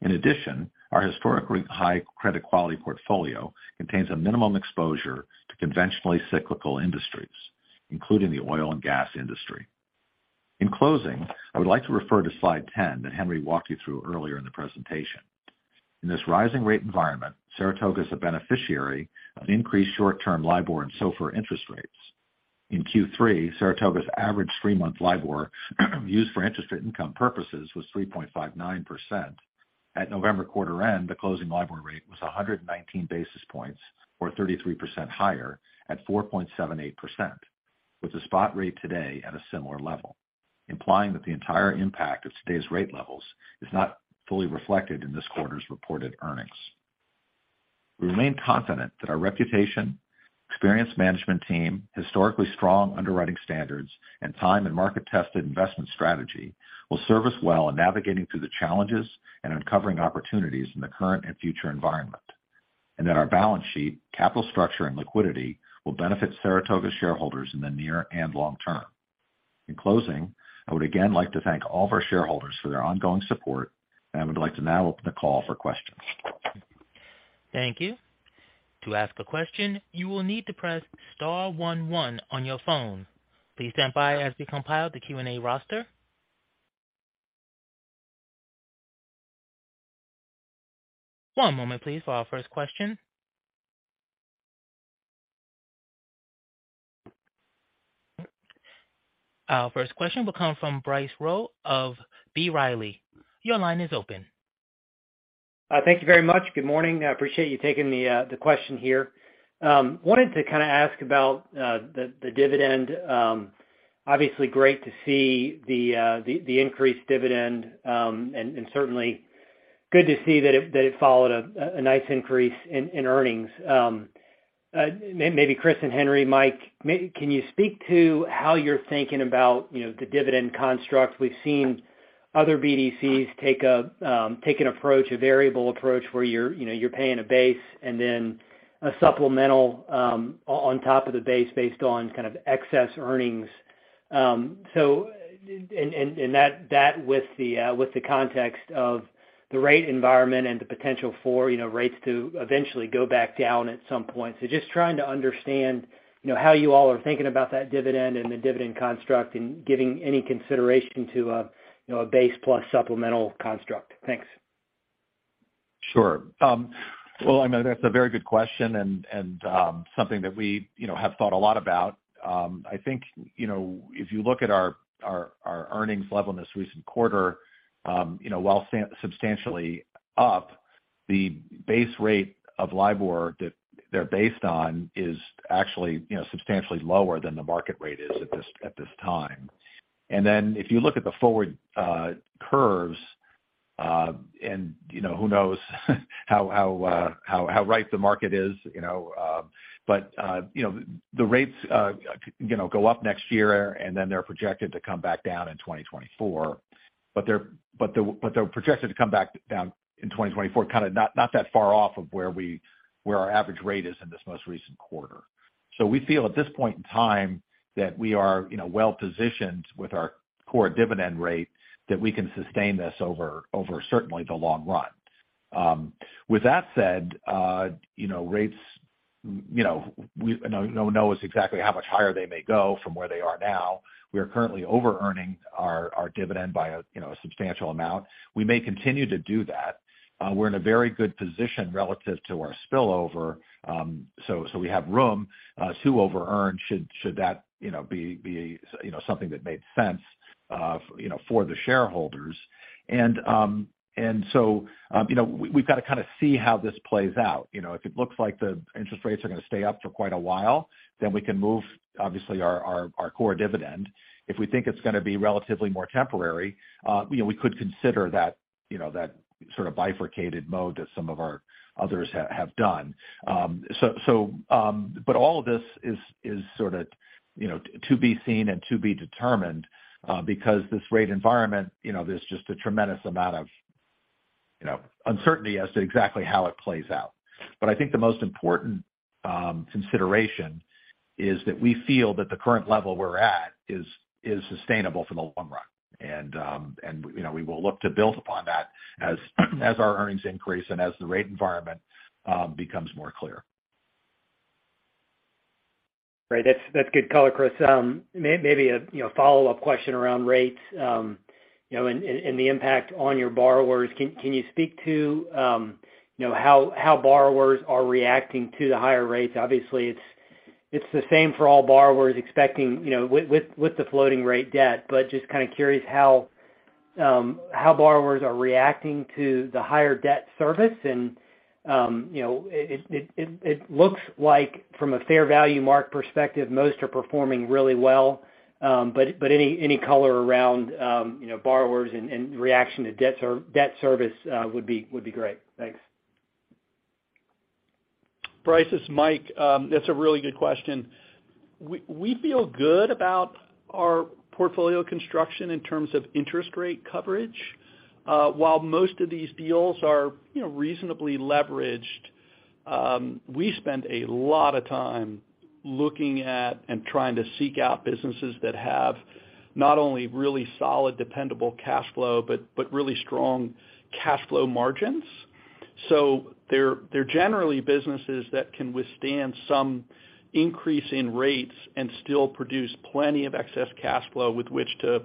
In addition, our historically high credit quality portfolio contains a minimum exposure to conventionally cyclical industries, including the oil and gas industry. In closing, I would like to refer to slide 10 that Henri walked you through earlier in the presentation. In this rising rate environment, Saratoga is a beneficiary of increased short-term LIBOR and SOFR interest rates. In Q3, Saratoga's average three-month LIBOR used for interest income purposes was 3.59%. At November quarter end, the closing LIBOR rate was 119 basis points or 33% higher at 4.78%, with the spot rate today at a similar level, implying that the entire impact of today's rate levels is not fully reflected in this quarter's reported earnings. We remain confident that our reputation, experienced management team, historically strong underwriting standards, and time and market-tested investment strategy will serve us well in navigating through the challenges and uncovering opportunities in the current and future environment. That our balance sheet, capital structure, and liquidity will benefit Saratoga shareholders in the near and long term. In closing, I would again like to thank all of our shareholders for their ongoing support, and I would like to now open the call for questions. Thank you. To ask a question, you will need to press star one one on your phone. Please stand by as we compile the Q&A roster. One moment please for our first question. Our first question will come from Bryce Rowe of B. Riley. Your line is open. Thank you very much. Good morning. I appreciate you taking the question here. Wanted to kind of ask about the dividend. Obviously great to see the increased dividend, and certainly good to see that it followed a nice increase in earnings. Maybe Chris and Henri, Mike, can you speak to how you're thinking about, you know, the dividend construct? We've seen other BDCs take an approach, a variable approach, where you're, you know, you're paying a base and then a supplemental on top of the base based on kind of excess earnings. That with the context of the rate environment and the potential for, you know, rates to eventually go back down at some point. Just trying to understand, you know, how you all are thinking about that dividend and the dividend construct and giving any consideration to a, you know, a base plus supplemental construct. Thanks. Sure. Well, I know that's a very good question and, something that we, you know, have thought a lot about. I think, you know, if you look at our earnings level in this recent quarter, you know, while substantially up, the base rate of LIBOR that they're based on is actually, you know, substantially lower than the market rate is at this, at this time. If you look at the forward curves, and, you know, who knows how right the market is, you know. You know, the rates, you know, go up next year, and then they're projected to come back down in 2024. They're projected to come back down in 2024, kind of not that far off of where we, where our average rate is in this most recent quarter. We feel at this point in time that we are, you know, well-positioned with our core dividend rate that we can sustain this over certainly the long run. With that said, you know, rates, you know, we no one knows exactly how much higher they may go from where they are now. We are currently overearning our dividend by a, you know, a substantial amount. We may continue to do that. We're in a very good position relative to our spillover, so we have room to overearn should that, you know, be, you know, something that made sense, you know, for the shareholders. You know, we've got to kind of see how this plays out, you know. If it looks like the interest rates are gonna stay up for quite a while, then we can move, obviously, our, our core dividend. If we think it's gonna be relatively more temporary, you know, we could consider that, you know, that sort of bifurcated mode that some of our others have done. All of this is sort of, you know, to be seen and to be determined because this rate environment, you know, there's just a tremendous amount of, you know, uncertainty as to exactly how it plays out. I think the most important consideration is that we feel that the current level we're at is sustainable for the long run. You know, we will look to build upon that as our earnings increase and as the rate environment, becomes more clear. Great. That's, that's good color, Chris. Maybe a, you know, follow-up question around rates, you know, and the impact on your borrowers. Can you speak to, you know, how borrowers are reacting to the higher rates? Obviously, it's the same for all borrowers expecting, you know, with the floating rate debt. Just kind of curious how borrowers are reacting to the higher debt service and, you know, it looks like from a fair value mark perspective, most are performing really well. But any color around, you know, borrowers and reaction to debt service would be great. Thanks. Bryce, it's Mike. That's a really good question. We feel good about our portfolio construction in terms of interest rate coverage. While most of these deals are, you know, reasonably leveraged, we spend a lot of time looking at and trying to seek out businesses that have not only really solid, dependable cash flow, but really strong cash flow margins. They're generally businesses that can withstand some increase in rates and still produce plenty of excess cash flow with which to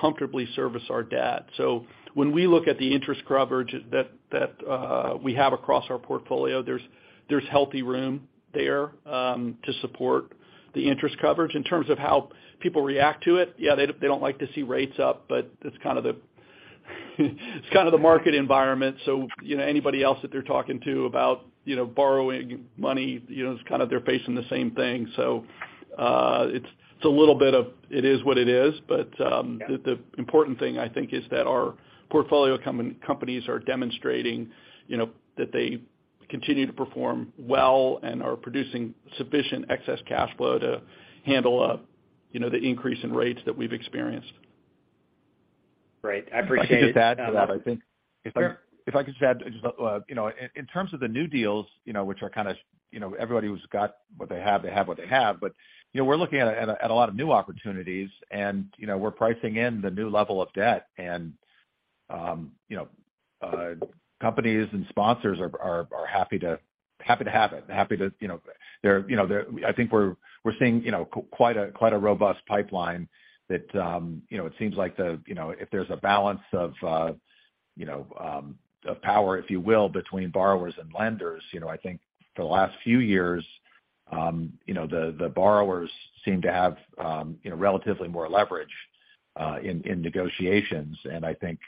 comfortably service our debt. When we look at the interest coverage that we have across our portfolio, there's healthy room there to support the interest coverage. In terms of how people react to it, yeah, they don't like to see rates up, but it's kind of the market environment. you know, anybody else that they're talking to about, you know, borrowing money, you know, it's kind of they're facing the same thing. it's a little bit of it is what it is. Yeah... the important thing I think is that our portfolio companies are demonstrating, you know, that they continue to perform well and are producing sufficient excess cash flow to handle, you know, the increase in rates that we've experienced. Great. I appreciate. If I could just add to that. Sure. If I could just add, you know, in terms of the new deals, you know, which are kind of, you know, everybody who's got what they have, they have what they have. You know, we're looking at a lot of new opportunities and, you know, we're pricing in the new level of debt. You know, companies and sponsors are happy to have it. Happy to, you know, I think we're seeing, you know, quite a robust pipeline that, you know, it seems like, you know, if there's a balance of power, if you will, between borrowers and lenders. You know, I think for the last few years, you know, the borrowers seem to have, you know, relatively more leverage in negotiations. I think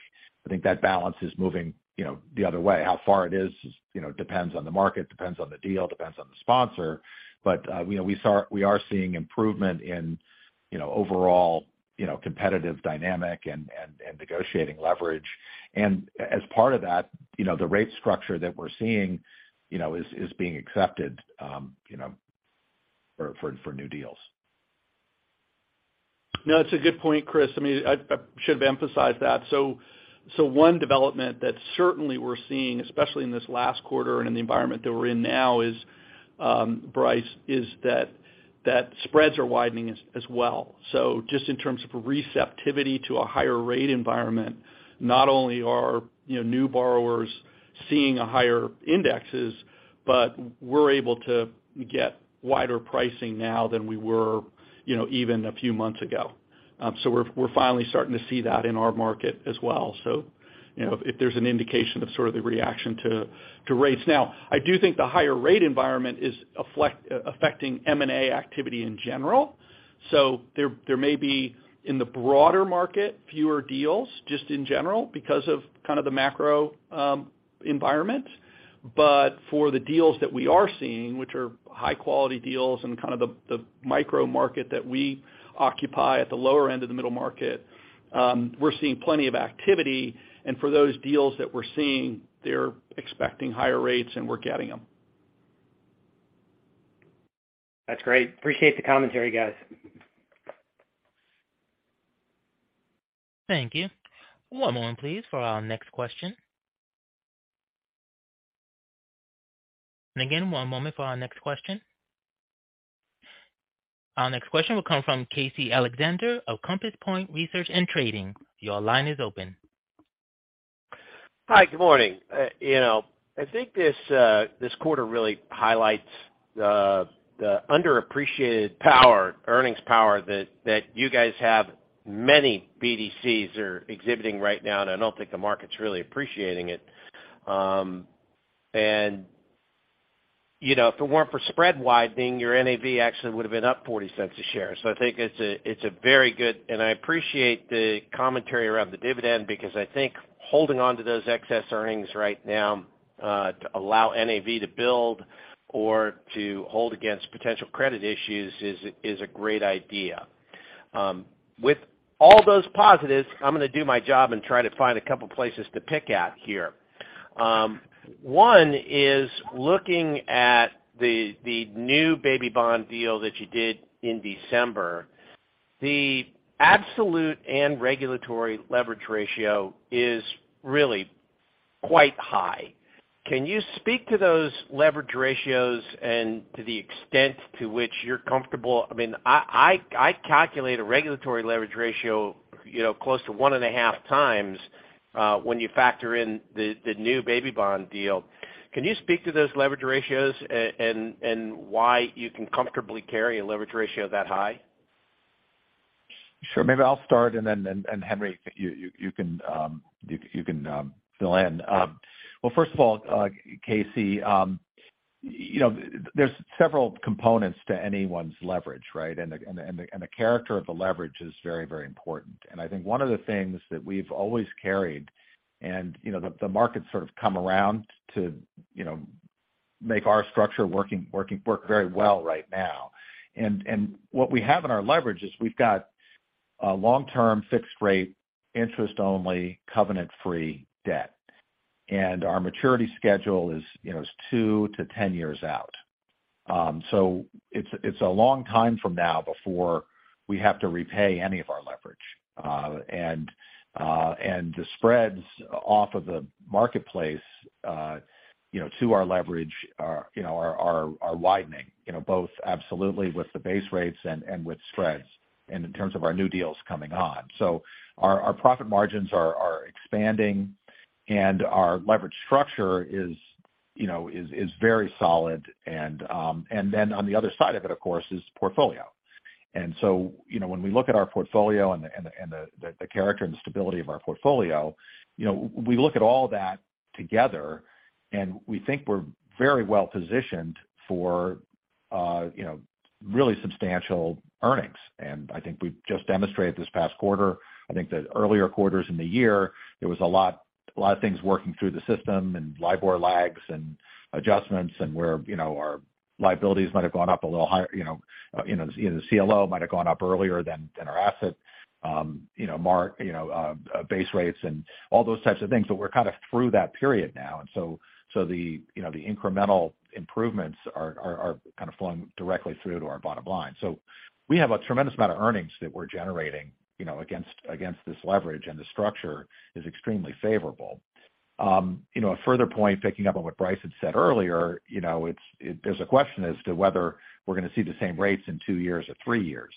that balance is moving, you know, the other way. How far it is, you know, depends on the market, depends on the deal, depends on the sponsor. You know, we are seeing improvement in, you know, overall, you know, competitive dynamic and negotiating leverage. As part of that, you know, the rate structure that we're seeing, you know, is being accepted, you know, for new deals. No, that's a good point, Chris. I mean, I should have emphasized that. One development that certainly we're seeing, especially in this last quarter and in the environment that we're in now is, Bryce, is that spreads are widening as well. Just in terms of receptivity to a higher rate environment, not only are, you know, new borrowers seeing a higher indexes, but we're able to get wider pricing now than we were, you know, even a few months ago. We're finally starting to see that in our market as well. You know, if there's an indication of sort of the reaction to rates. I do think the higher rate environment is affecting M&A activity in general. There may be, in the broader market, fewer deals just in general because of kind of the macro environment. For the deals that we are seeing, which are high quality deals and kind of the micro market that we occupy at the lower end of the middle market, we're seeing plenty of activity. For those deals that we're seeing, they're expecting higher rates, and we're getting them. That's great. Appreciate the commentary, guys. Thank you. One moment please for our next question. Again, one moment for our next question. Our next question will come from Casey Alexander of Compass Point Research & Trading. Your line is open. Hi. Good morning. you know, I think this quarter really highlights the underappreciated power, earnings power that you guys have many BDCs are exhibiting right now, and I don't think the market's really appreciating it. you know, if it weren't for spread widening, your NAV actually would have been up $0.40 a share. I think it's a, it's a very good... I appreciate the commentary around the dividend because I think holding on to those excess earnings right now, to allow NAV to build or to hold against potential credit issues is a great idea. With all those positives, I'm gonna do my job and try to find a couple places to pick at here. One is looking at the new baby bond deal that you did in December. The absolute and regulatory leverage ratio is really quite high. Can you speak to those leverage ratios and to the extent to which you're comfortable? I mean, I calculate a regulatory leverage ratio, you know, close to 1.5x when you factor in the new baby bond deal. Can you speak to those leverage ratios and why you can comfortably carry a leverage ratio that high? Sure. Maybe I'll start, and then Henri, you can fill in. Well, first of all, Casey, you know, there's several components to anyone's leverage, right? The character of the leverage is very, very important. I think one of the things that we've always carried and, you know, the market sort of come around to, you know, make our structure work very well right now. What we have in our leverage is we've got a long-term fixed rate, interest-only covenant free debt. Our maturity schedule is, you know, is two to 10 years out. So it's a long time from now before we have to repay any of our leverage. The spreads off of the marketplace, to our leverage are widening both absolutely with the base rates and with spreads and in terms of our new deals coming on. Our profit margins are expanding and our leverage structure is very solid. On the other side of it, of course, is portfolio. You know, when we look at our portfolio and the character and the stability of our portfolio, we look at all that together and we think we're very well-positioned for really substantial earnings. I think we've just demonstrated this past quarter. I think the earlier quarters in the year, there was a lot of things working through the system and LIBOR lags and adjustments and where, you know, our liabilities might have gone up a little higher, you know. You know, the CLO might have gone up earlier than our asset, you know, base rates and all those types of things. We're kind of through that period now. The, you know, the incremental improvements are kind of flowing directly through to our bottom line. We have a tremendous amount of earnings that we're generating, you know, against this leverage, and the structure is extremely favorable. you know, a further point, picking up on what Bryce had said earlier, you know, there's a question as to whether we're gonna see the same rates in two years or three years.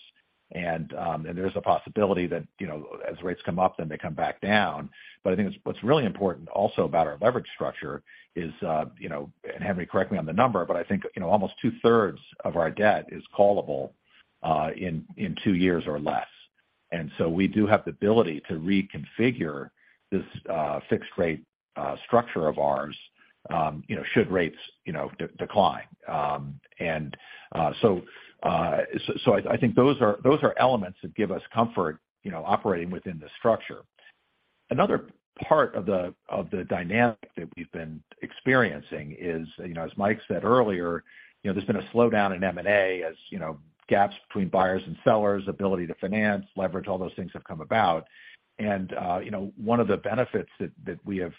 There's a possibility that, you know, as rates come up, then they come back down. I think what's really important also about our leverage structure is, you know, and Henri, correct me on the number, but I think, you know, almost two-thirds of our debt is callable in two years or less. We do have the ability to reconfigure this fixed rate structure of ours, you know, should rates, you know, decline. So I think those are elements that give us comfort, you know, operating within the structure. Another part of the dynamic that we've been experiencing is, you know, as Mike said earlier, you know, there's been a slowdown in M&A as, you know, gaps between buyers and sellers, ability to finance, leverage, all those things have come about. One of the benefits that we have,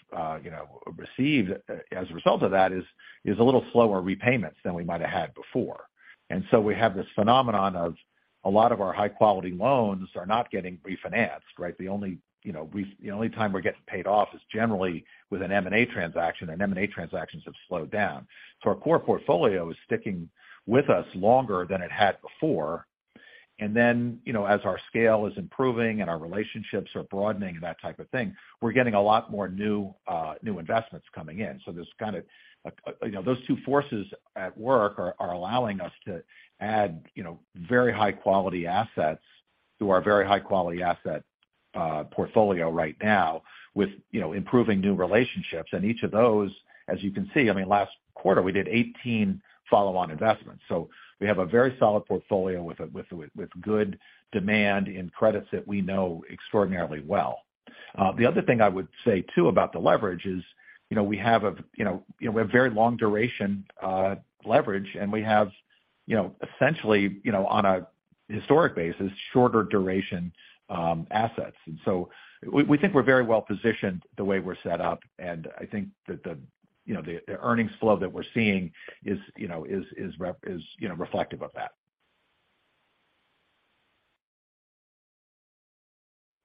you know, received as a result of that is a little slower repayments than we might have had before. We have this phenomenon of a lot of our high-quality loans are not getting refinanced, right? The only, you know, the only time we're getting paid off is generally with an M&A transaction, and M&A transactions have slowed down. Our core portfolio is sticking with us longer than it had before. Then, you know, as our scale is improving and our relationships are broadening, that type of thing, we're getting a lot more new investments coming in. There's kind of a, you know, those two forces at work are allowing us to add, you know, very high-quality assets to our very high-quality asset portfolio right now with, you know, improving new relationships. Each of those, as you can see, I mean, last quarter we did 18 follow-on investments. We have a very solid portfolio with good demand in credits that we know extraordinarily well. The other thing I would say too about the leverage is, you know, we have a, you know, we have very long duration leverage, and we have, you know, essentially, you know, on a historic basis, shorter duration assets. We think we're very well-positioned the way we're set up. I think that the, you know, the earnings flow that we're seeing is, you know, is, you know, reflective of that.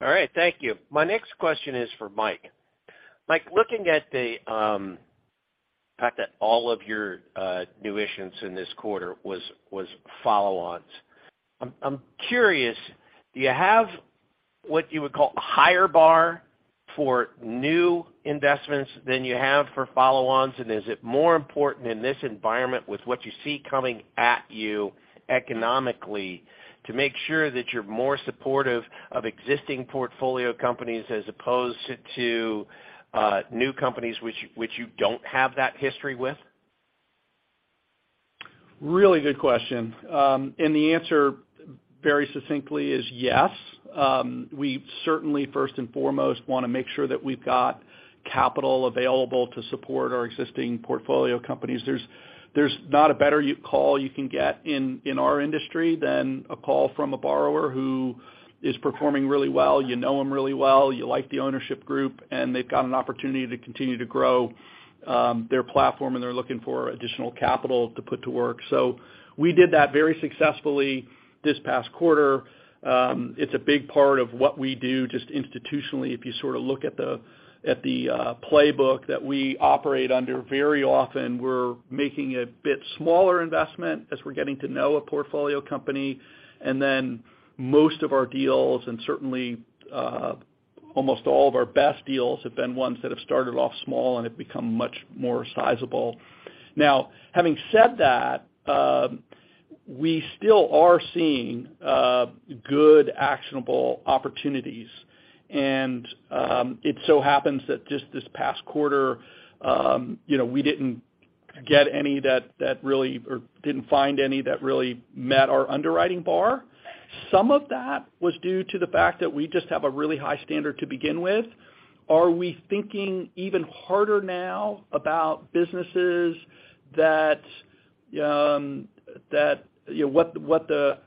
All right. Thank you. My next question is for Mike. Mike, looking at the fact that all of your new issuance in this quarter was follow-ons, I'm curious, do you have what you would call a higher bar for new investments than you have for follow-ons? Is it more important in this environment with what you see coming at you economically to make sure that you're more supportive of existing portfolio companies as opposed to new companies which you don't have that history with? Really good question. The answer very succinctly is yes. We certainly, first and foremost, wanna make sure that we've got capital available to support our existing portfolio companies. There's not a better call you can get in our industry than a call from a borrower who is performing really well. You know him really well. You like the ownership group, they've got an opportunity to continue to grow their platform, and they're looking for additional capital to put to work. We did that very successfully this past quarter. It's a big part of what we do just institutionally. If you sort of look at the playbook that we operate under, very often we're making a bit smaller investment as we're getting to know a portfolio company. Most of our deals, and certainly, almost all of our best deals, have been ones that have started off small and have become much more sizable. Now, having said that, we still are seeing good actionable opportunities. It so happens that just this past quarter, you know, we didn't get any that really met our underwriting bar. Some of that was due to the fact that we just have a really high standard to begin with. Are we thinking even harder now about businesses that, you know, what the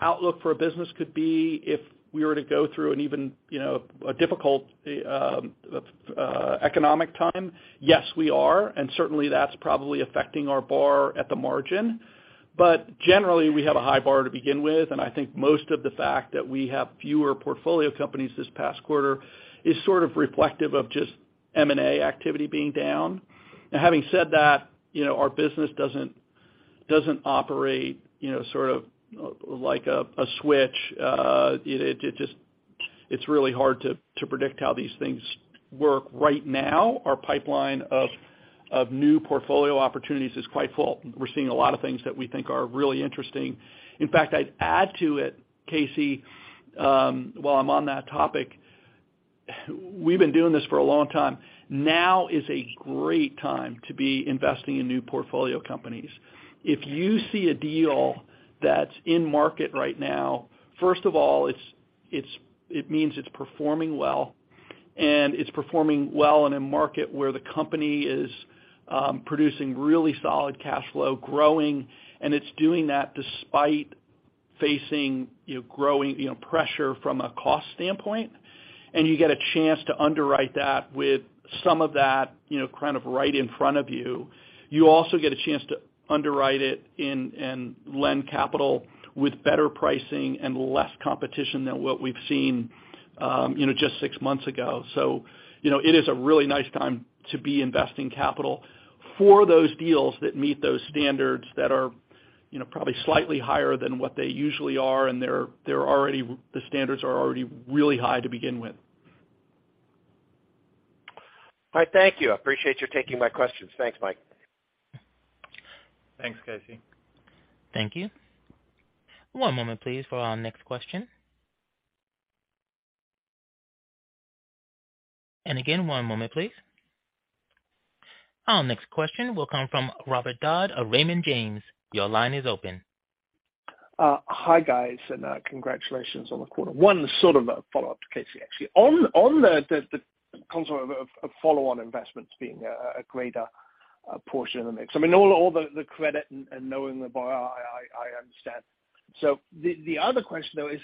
outlook for a business could be if we were to go through an even, you know, a difficult economic time? Yes, we are, and certainly that's probably affecting our bar at the margin. Generally, we have a high bar to begin with, and I think most of the fact that we have fewer portfolio companies this past quarter is sort of reflective of just M&A activity being down. Now, having said that, you know, our business doesn't operate, you know, sort of like a switch. It's really hard to predict how these things work right now. Our pipeline of new portfolio opportunities is quite full. We're seeing a lot of things that we think are really interesting. In fact, I'd add to it, Casey, while I'm on that topic. We've been doing this for a long time. Now is a great time to be investing in new portfolio companies. If you see a deal that's in market right now, first of all, it means it's performing well, and it's performing well in a market where the company is producing really solid cash flow, growing, and it's doing that despite facing, you know, growing, you know, pressure from a cost standpoint. You get a chance to underwrite that with some of that, you know, kind of right in front of you. You also get a chance to underwrite it and lend capital with better pricing and less competition than what we've seen, you know, just six months ago. you know, it is a really nice time to be investing capital for those deals that meet those standards that are, you know, probably slightly higher than what they usually are, and the standards are already really high to begin with. Thank you. I appreciate you taking my questions. Thanks, Mike. Thanks, Casey. Thank you. One moment please for our next question. One moment please. Our next question will come from Robert Dodd of Raymond James. Your line is open. Hi, guys, congratulations on the quarter. One sort of a follow-up to Casey, actually. On the concept of follow-on investments being a greater portion of the mix. I mean, all the credit and knowing the buyer, I understand. The other question, though, is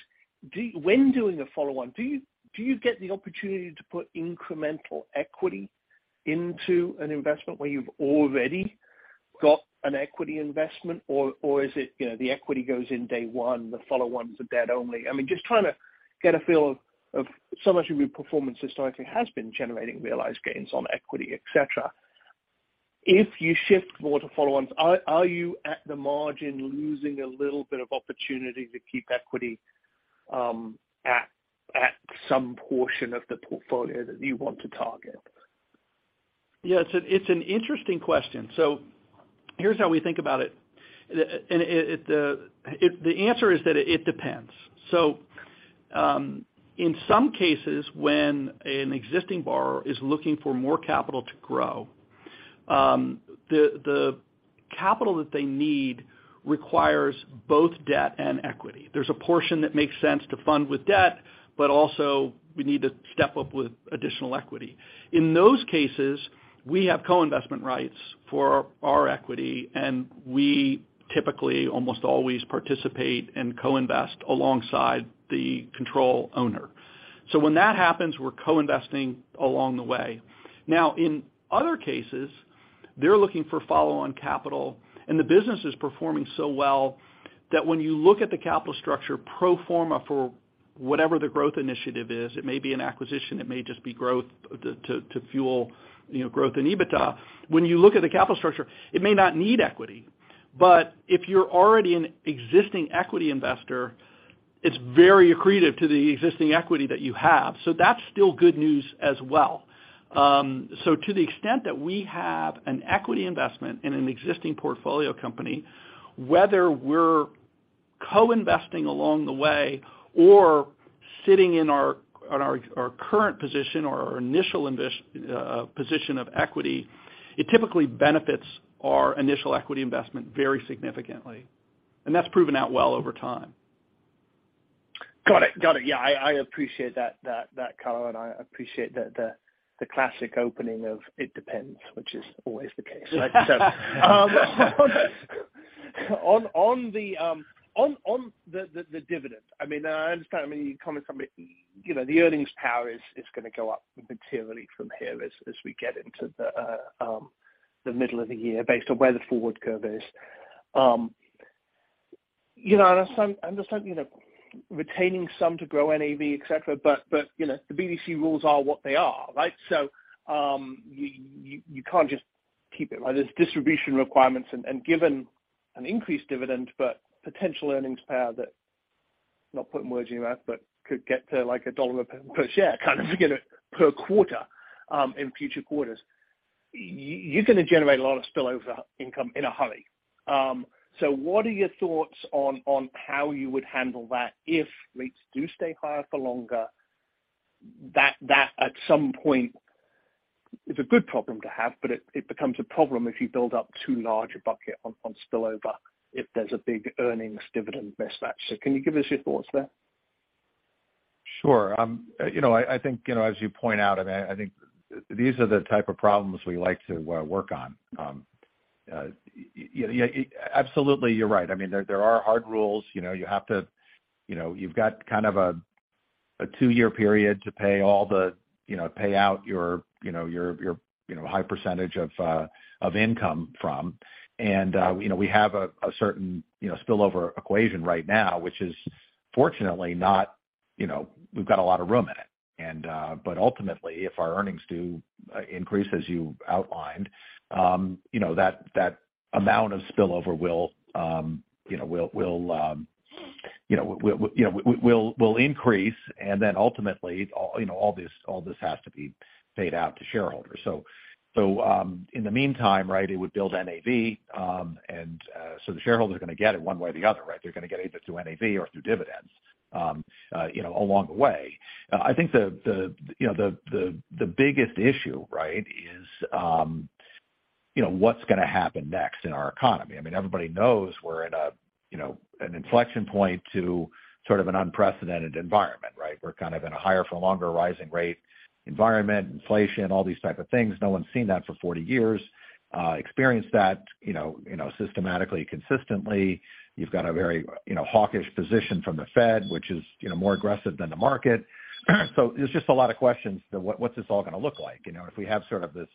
when doing a follow-on, do you get the opportunity to put incremental equity into an investment where you've already got an equity investment? Or is it, you know, the equity goes in day one, the follow-ons are debt only? I mean, just trying to get a feel of so much of your performance historically has been generating realized gains on equity, et cetera. If you shift more to follow-ons, are you at the margin losing a little bit of opportunity to keep equity, at some portion of the portfolio that you want to target? Yeah. It's an interesting question. Here's how we think about it. The answer is that it depends. In some cases, when an existing borrower is looking for more capital to grow, the capital that they need requires both debt and equity. There's a portion that makes sense to fund with debt, but also we need to step up with additional equity. In those cases, we have co-investment rights for our equity, and we typically almost always participate and co-invest alongside the control owner. When that happens, we're co-investing along the way. In other cases- They're looking for follow-on capital. The business is performing so well that when you look at the capital structure pro forma for whatever the growth initiative is, it may be an acquisition, it may just be growth to fuel, you know, growth in EBITDA. When you look at the capital structure, it may not need equity. If you're already an existing equity investor, it's very accretive to the existing equity that you have. That's still good news as well. To the extent that we have an equity investment in an existing portfolio company, whether we're co-investing along the way or sitting in our on our current position or our initial position of equity, it typically benefits our initial equity investment very significantly. That's proven out well over time. Got it. Yeah. I appreciate that color and I appreciate the classic opening of it depends, which is always the case, right? On the dividend, I mean, I understand, I mean, you commented on it, you know, the earnings power is gonna go up materially from here as we get into the middle of the year based on where the forward curve is. You know, I understand, you know, retaining some to grow NAV, et cetera, but, you know, the BDC rules are what they are, right? You can't just keep it. There's distribution requirements and given an increased dividend, but potential earnings power that, not putting words in your mouth, but could get to like a $1 per share kind of to get it per quarter in future quarters. You're gonna generate a lot of spillover income in a hurry. So what are your thoughts on how you would handle that if rates do stay higher for longer? That at some point is a good problem to have, but it becomes a problem if you build up too large a bucket on spillover if there's a big earnings dividend mismatch. Can you give us your thoughts there? Sure. You know, I think, you know, as you point out, I mean, I think these are the type of problems we like to work on. Absolutely, you're right. I mean, there are hard rules. You know, you have to. You know, you've got kind of a two-year period to pay all the, you know, pay out your, you know, your, you know, high percentage of income from. You know, we have a certain, you know, spillover equation right now, which is fortunately not, you know, we've got a lot of room in it. But ultimately, if our earnings do increase as you outlined, you know, that amount of spillover will, you know, will increase, and then ultimately, all, you know, all this has to be paid out to shareholders. In the meantime, right, it would build NAV, so the shareholders are gonna get it one way or the other, right? They're gonna get either through NAV or through dividends, you know, along the way. I think the, you know, the biggest issue, right? Is, you know, what's gonna happen next in our economy. I mean, everybody knows we're in a, you know, an inflection point to sort of an unprecedented environment, right? We're kind of in a higher for longer rising rate environment, inflation, all these type of things. No one's seen that for 40 years, experienced that, you know, systematically, consistently. You've got a very, you know, hawkish position from the Fed, which is, you know, more aggressive than the market. There's just a lot of questions to what's this all gonna look like. You know, if we have sort of this,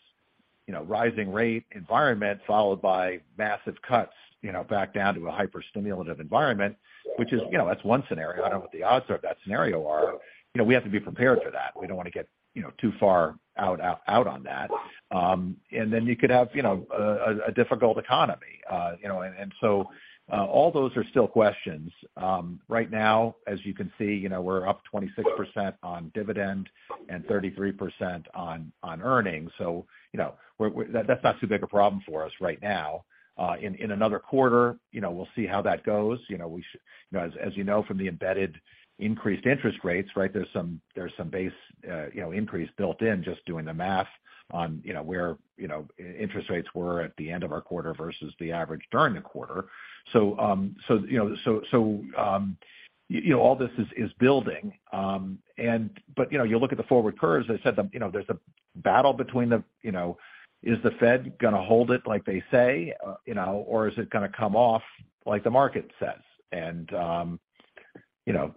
you know, rising rate environment followed by massive cuts, you know, back down to a hyper-stimulative environment, which is, you know, that's one scenario. I don't know what the odds of that scenario are. You know, we have to be prepared for that. We don't wanna get, you know, too far out on that. And then you could have, you know, a difficult economy, you know. All those are still questions. Right now, as you can see, you know, we're up 26% on dividend and 33% on earnings. You know, that's not too big a problem for us right now. In another quarter, you know, we'll see how that goes. You know, as you know from the embedded increased interest rates, right? There's some, there's some base, you know, increase built in just doing the math on, you know, where, interest rates were at the end of our quarter versus the average during the quarter. You know, all this is building. You know, you look at the forward curves, they said there's a battle between, is the Fed gonna hold it like they say, or is it gonna come off like the market says? You know,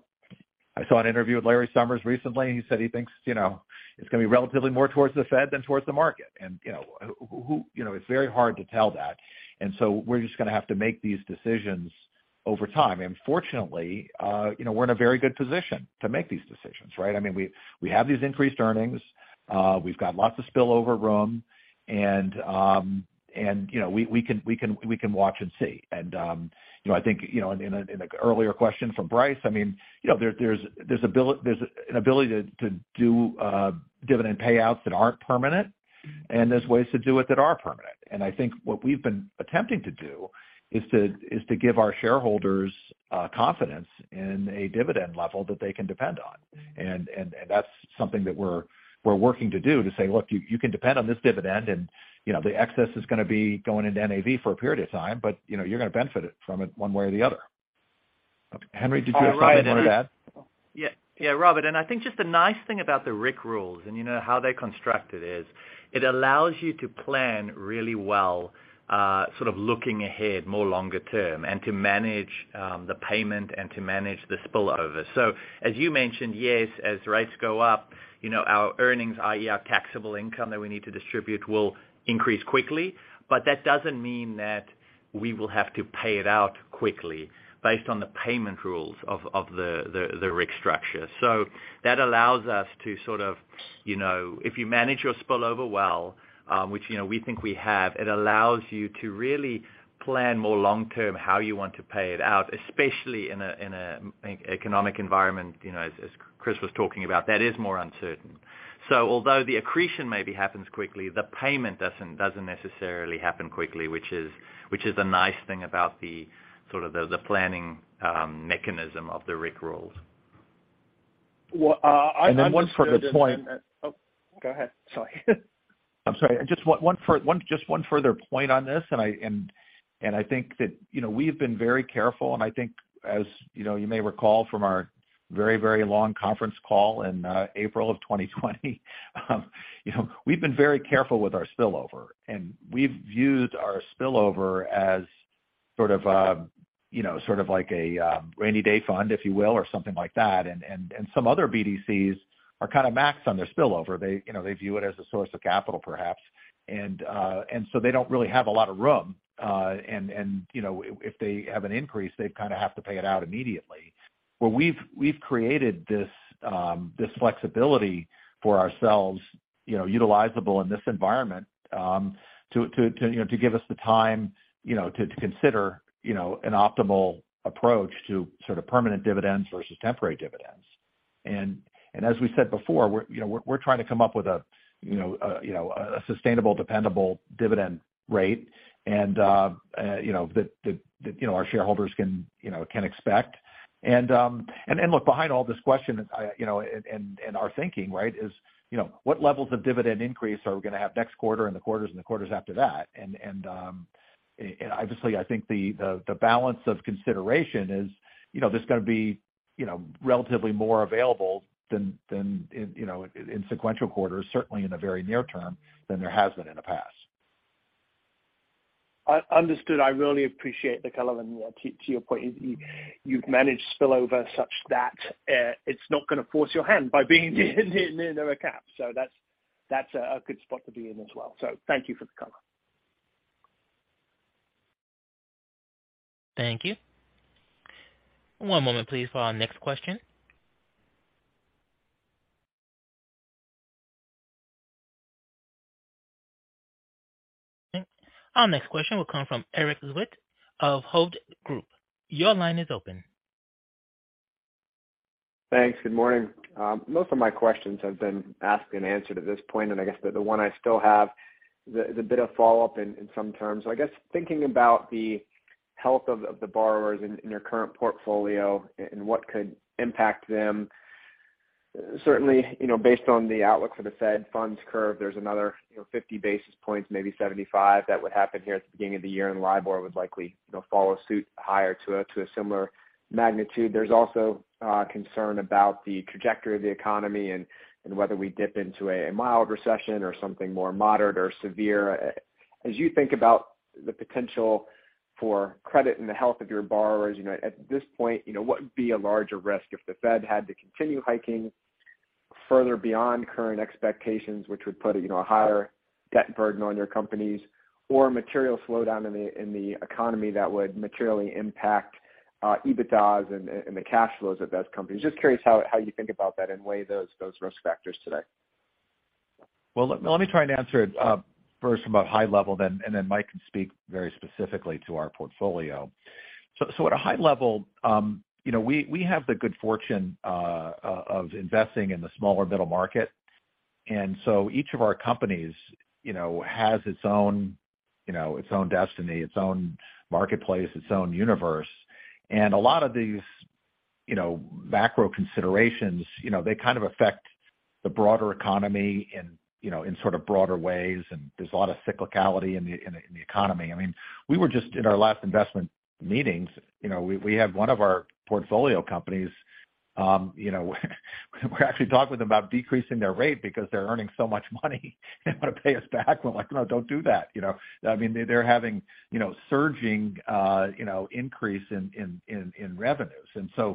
I saw an interview with Larry Summers recently, and he said he thinks, you know, it's gonna be relatively more towards the Fed than towards the market. Who, it's very hard to tell that. We're just gonna have to make these decisions over time. Fortunately, we're in a very good position to make these decisions, right? I mean, we have these increased earnings. We've got lots of spillover room. We can watch and see. You know, I think, you know, in a, in a earlier question from Bryce, I mean, you know, there's an ability to do dividend payouts that aren't permanent, and there's ways to do it that are permanent. I think what we've been attempting to do is to give our shareholders confidence in a dividend level that they can depend on. And that's something that we're working to do to say, "Look, you can depend on this dividend, and, you know, the excess is gonna be going into NAV for a period of time, but, you know, you're gonna benefit it from it one way or the other." Henri, did you have something you wanted to add? Yeah, Robert. I think just the nice thing about the RIC rules and you know how they're constructed is it allows you to plan really well, sort of looking ahead more longer term and to manage the payment and to manage the spillover. As you mentioned, yes, as rates go up, you know, our earnings, i.e., our taxable income that we need to distribute, will increase quickly. That doesn't mean that we will have to pay it out quickly based on the payment rules of the RIC structure. That allows us to sort of, you know, if you manage your spillover well, which, you know, we think we have, it allows you to really plan more long-term how you want to pay it out, especially in an economic environment, you know, as Chris was talking about, that is more uncertain. Although the accretion maybe happens quickly, the payment doesn't necessarily happen quickly, which is the nice thing about the sort of the planning mechanism of the RIC rules. Well. One further point. Oh, go ahead. Sorry. I'm sorry. Just one further point on this, and I think that, you know, we've been very careful, and I think as, you know, you may recall from our very, very long conference call in April of 2020, you know, we've been very careful with our spillover. We've viewed our spillover as sort of a, you know, sort of like a rainy day fund, if you will, or something like that. Some other BDCs are kind of maxed on their spillover. They, you know, they view it as a source of capital perhaps. They don't really have a lot of room. You know, if they have an increase, they kind of have to pay it out immediately. Where we've created this flexibility for ourselves, you know, utilizable in this environment, to give us the time, you know, to consider, you know, an optimal approach to sort of permanent dividends versus temporary dividends. As we said before, we're trying to come up with a sustainable, dependable dividend rate. That our shareholders can expect. Look, behind all this question, you know, and our thinking, right, is, you know, what levels of dividend increase are we gonna have next quarter and the quarters after that? Obviously, I think the balance of consideration is, you know, there's gonna be relatively more available than in, you know, in sequential quarters, certainly in the very near term, than there has been in the past. Understood. I really appreciate the color. To your point, you've managed spillover such that it's not gonna force your hand by being near the recap. That's a good spot to be in as well. Thank you for the color. Thank you. One moment, please, for our next question. Our next question will come from Erik Zwick of Hovde Group. Your line is open. Thanks. Good morning. Most of my questions have been asked and answered at this point. I guess the one I still have the, is a bit of follow-up in some terms. I guess thinking about the health of the borrowers in your current portfolio and what could impact them. Certainly, you know, based on the outlook for the Fed funds curve, there's another, you know, 50 basis points, maybe 75, that would happen here at the beginning of the year. LIBOR would likely, you know, follow suit higher to a, to a similar magnitude. There's also concern about the trajectory of the economy and whether we dip into a mild recession or something more moderate or severe. As you think about the potential for credit and the health of your borrowers, you know, at this point, you know, what would be a larger risk if the Fed had to continue hiking further beyond current expectations, which would put, you know, a higher debt burden on your companies or material slowdown in the economy that would materially impact EBITDAs and the cash flows at those companies? Just curious how you think about that and weigh those risk factors today. Let me try and answer it first from a high level then, and then Mike can speak very specifically to our portfolio. At a high level, you know, we have the good fortune of investing in the smaller middle market. Each of our companies, you know, has its own, you know, its own destiny, its own marketplace, its own universe. A lot of these, you know, macro considerations, you know, they kind of affect the broader economy in, you know, in sort of broader ways, and there's a lot of cyclicality in the economy. I mean, we were just in our last investment meetings, you know, we had one of our portfolio companies, you know, we're actually talking with them about decreasing their rate because they're earning so much money and wanna pay us back. We're like, "No, don't do that," you know. I mean, they're having, you know, surging, increase in revenues. The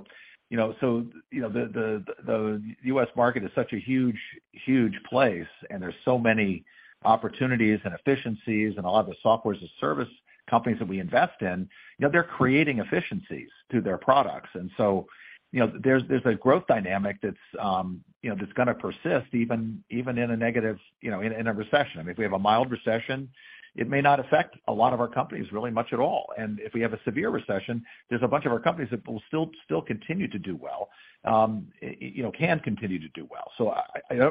U.S. market is such a huge, huge place, and there's so many opportunities and efficiencies and a lot of the Software as a Service companies that we invest in, you know, they're creating efficiencies through their products. There's a growth dynamic that's, you know, that's gonna persist even in a negative, you know, in a recession. I mean, if we have a mild recession, it may not affect a lot of our companies really much at all. If we have a severe recession, there's a bunch of our companies that will still continue to do well, you know, can continue to do well.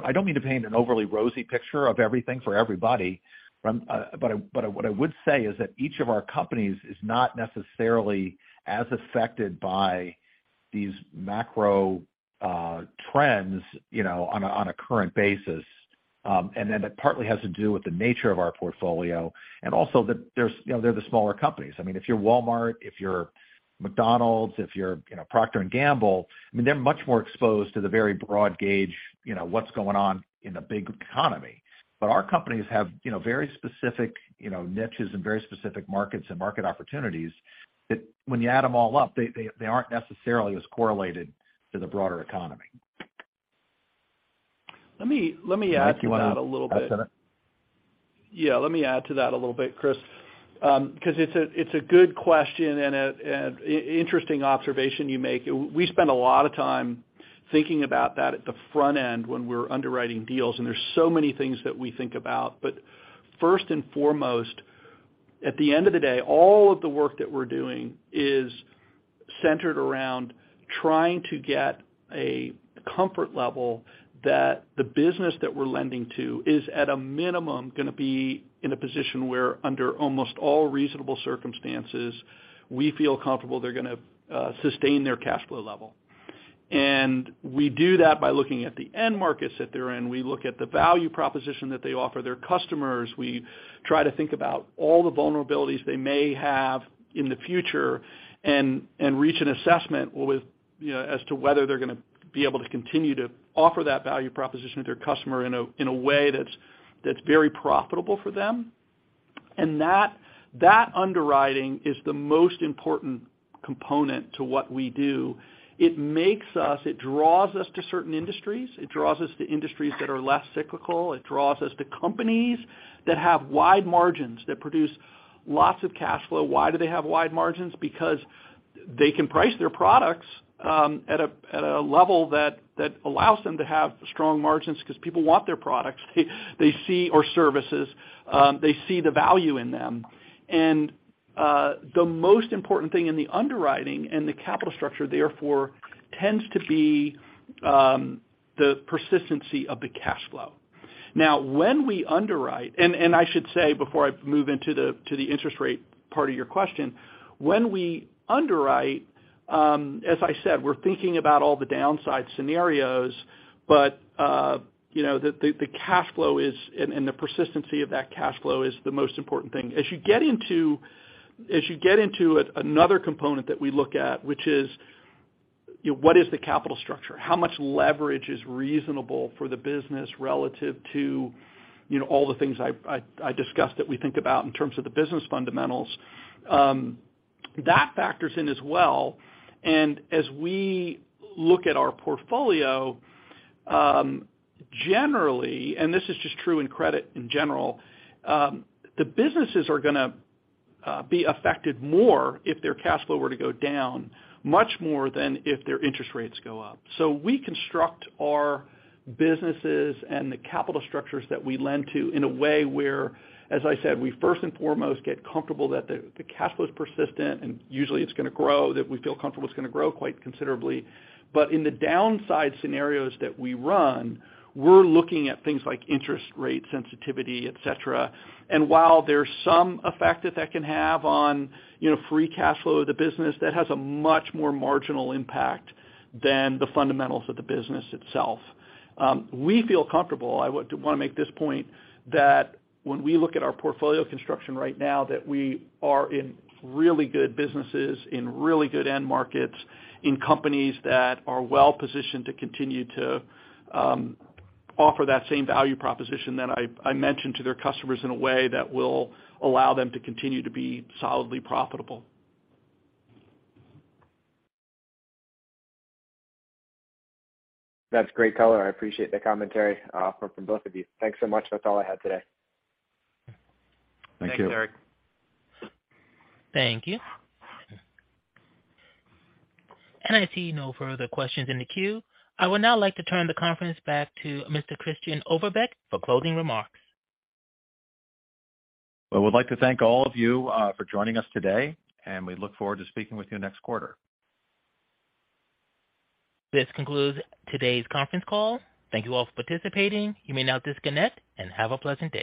I don't mean to paint an overly rosy picture of everything for everybody. But what I would say is that each of our companies is not necessarily as affected by these macro trends, you know, on a current basis, and then it partly has to do with the nature of our portfolio and also that there's, you know, they're the smaller companies. I mean, if you're Walmart, if you're McDonald's, if you're, you know, Procter & Gamble, I mean, they're much more exposed to the very broad gauge, you know, what's going on in the big economy. Our companies have, you know, very specific, you know, niches and very specific markets and market opportunities that when you add them all up, they aren't necessarily as correlated to the broader economy. Let me add to that a little bit. Mike, you wanna? Yeah, let me add to that a little bit, Chris, 'cause it's a, it's a good question and a interesting observation you make. We spend a lot of time thinking about that at the front end when we're underwriting deals, and there's so many things that we think about. First and foremost, at the end of the day, all of the work that we're doing is centered around trying to get a comfort level that the business that we're lending to is, at a minimum, gonna be in a position where, under almost all reasonable circumstances, we feel comfortable they're gonna sustain their cash flow level. We do that by looking at the end markets that they're in. We look at the value proposition that they offer their customers. We try to think about all the vulnerabilities they may have in the future and reach an assessment with, you know, as to whether they're gonna be able to continue to offer that value proposition to their customer in a way that's very profitable for them. That underwriting is the most important component to what we do. It draws us to certain industries. It draws us to industries that are less cyclical. It draws us to companies that have wide margins, that produce lots of cash flow. Why do they have wide margins? Because they can price their products at a level that allows them to have strong margins because people want their products. They see our services. They see the value in them. The most important thing in the underwriting and the capital structure therefore tends to be the persistency of the cash flow. I should say, before I move into the interest rate part of your question. We underwrite, as I said, we're thinking about all the downside scenarios, you know, the cash flow is and the persistency of that cash flow is the most important thing. You get into another component that we look at, which is, you know, what is the capital structure? How much leverage is reasonable for the business relative to, you know, all the things I discussed that we think about in terms of the business fundamentals, that factors in as well. As we look at our portfolio, generally, and this is just true in credit in general, the businesses are going to be affected more if their cash flow were to go down, much more than if their interest rates go up. We construct our businesses and the capital structures that we lend to in a way where, as I said, we first and foremost get comfortable that the cash flow is persistent and usually it's going to grow, that we feel comfortable it's going to grow quite considerably. In the downside scenarios that we run, we're looking at things like interest rate sensitivity, et cetera. While there's some effect that that can have on, you know, free cash flow of the business, that has a much more marginal impact than the fundamentals of the business itself. We feel comfortable, I want to make this point, that when we look at our portfolio construction right now, that we are in really good businesses, in really good end markets, in companies that are well-positioned to continue to offer that same value proposition that I mentioned to their customers in a way that will allow them to continue to be solidly profitable. That's great color. I appreciate the commentary, from both of you. Thanks so much. That's all I had today. Thank you. Thanks, Erik. Thank you. I see no further questions in the queue. I would now like to turn the conference back to Mr. Christian Oberbeck for closing remarks. I would like to thank all of you, for joining us today, and we look forward to speaking with you next quarter. This concludes today's conference call. Thank you all for participating. You may now disconnect and have a pleasant day.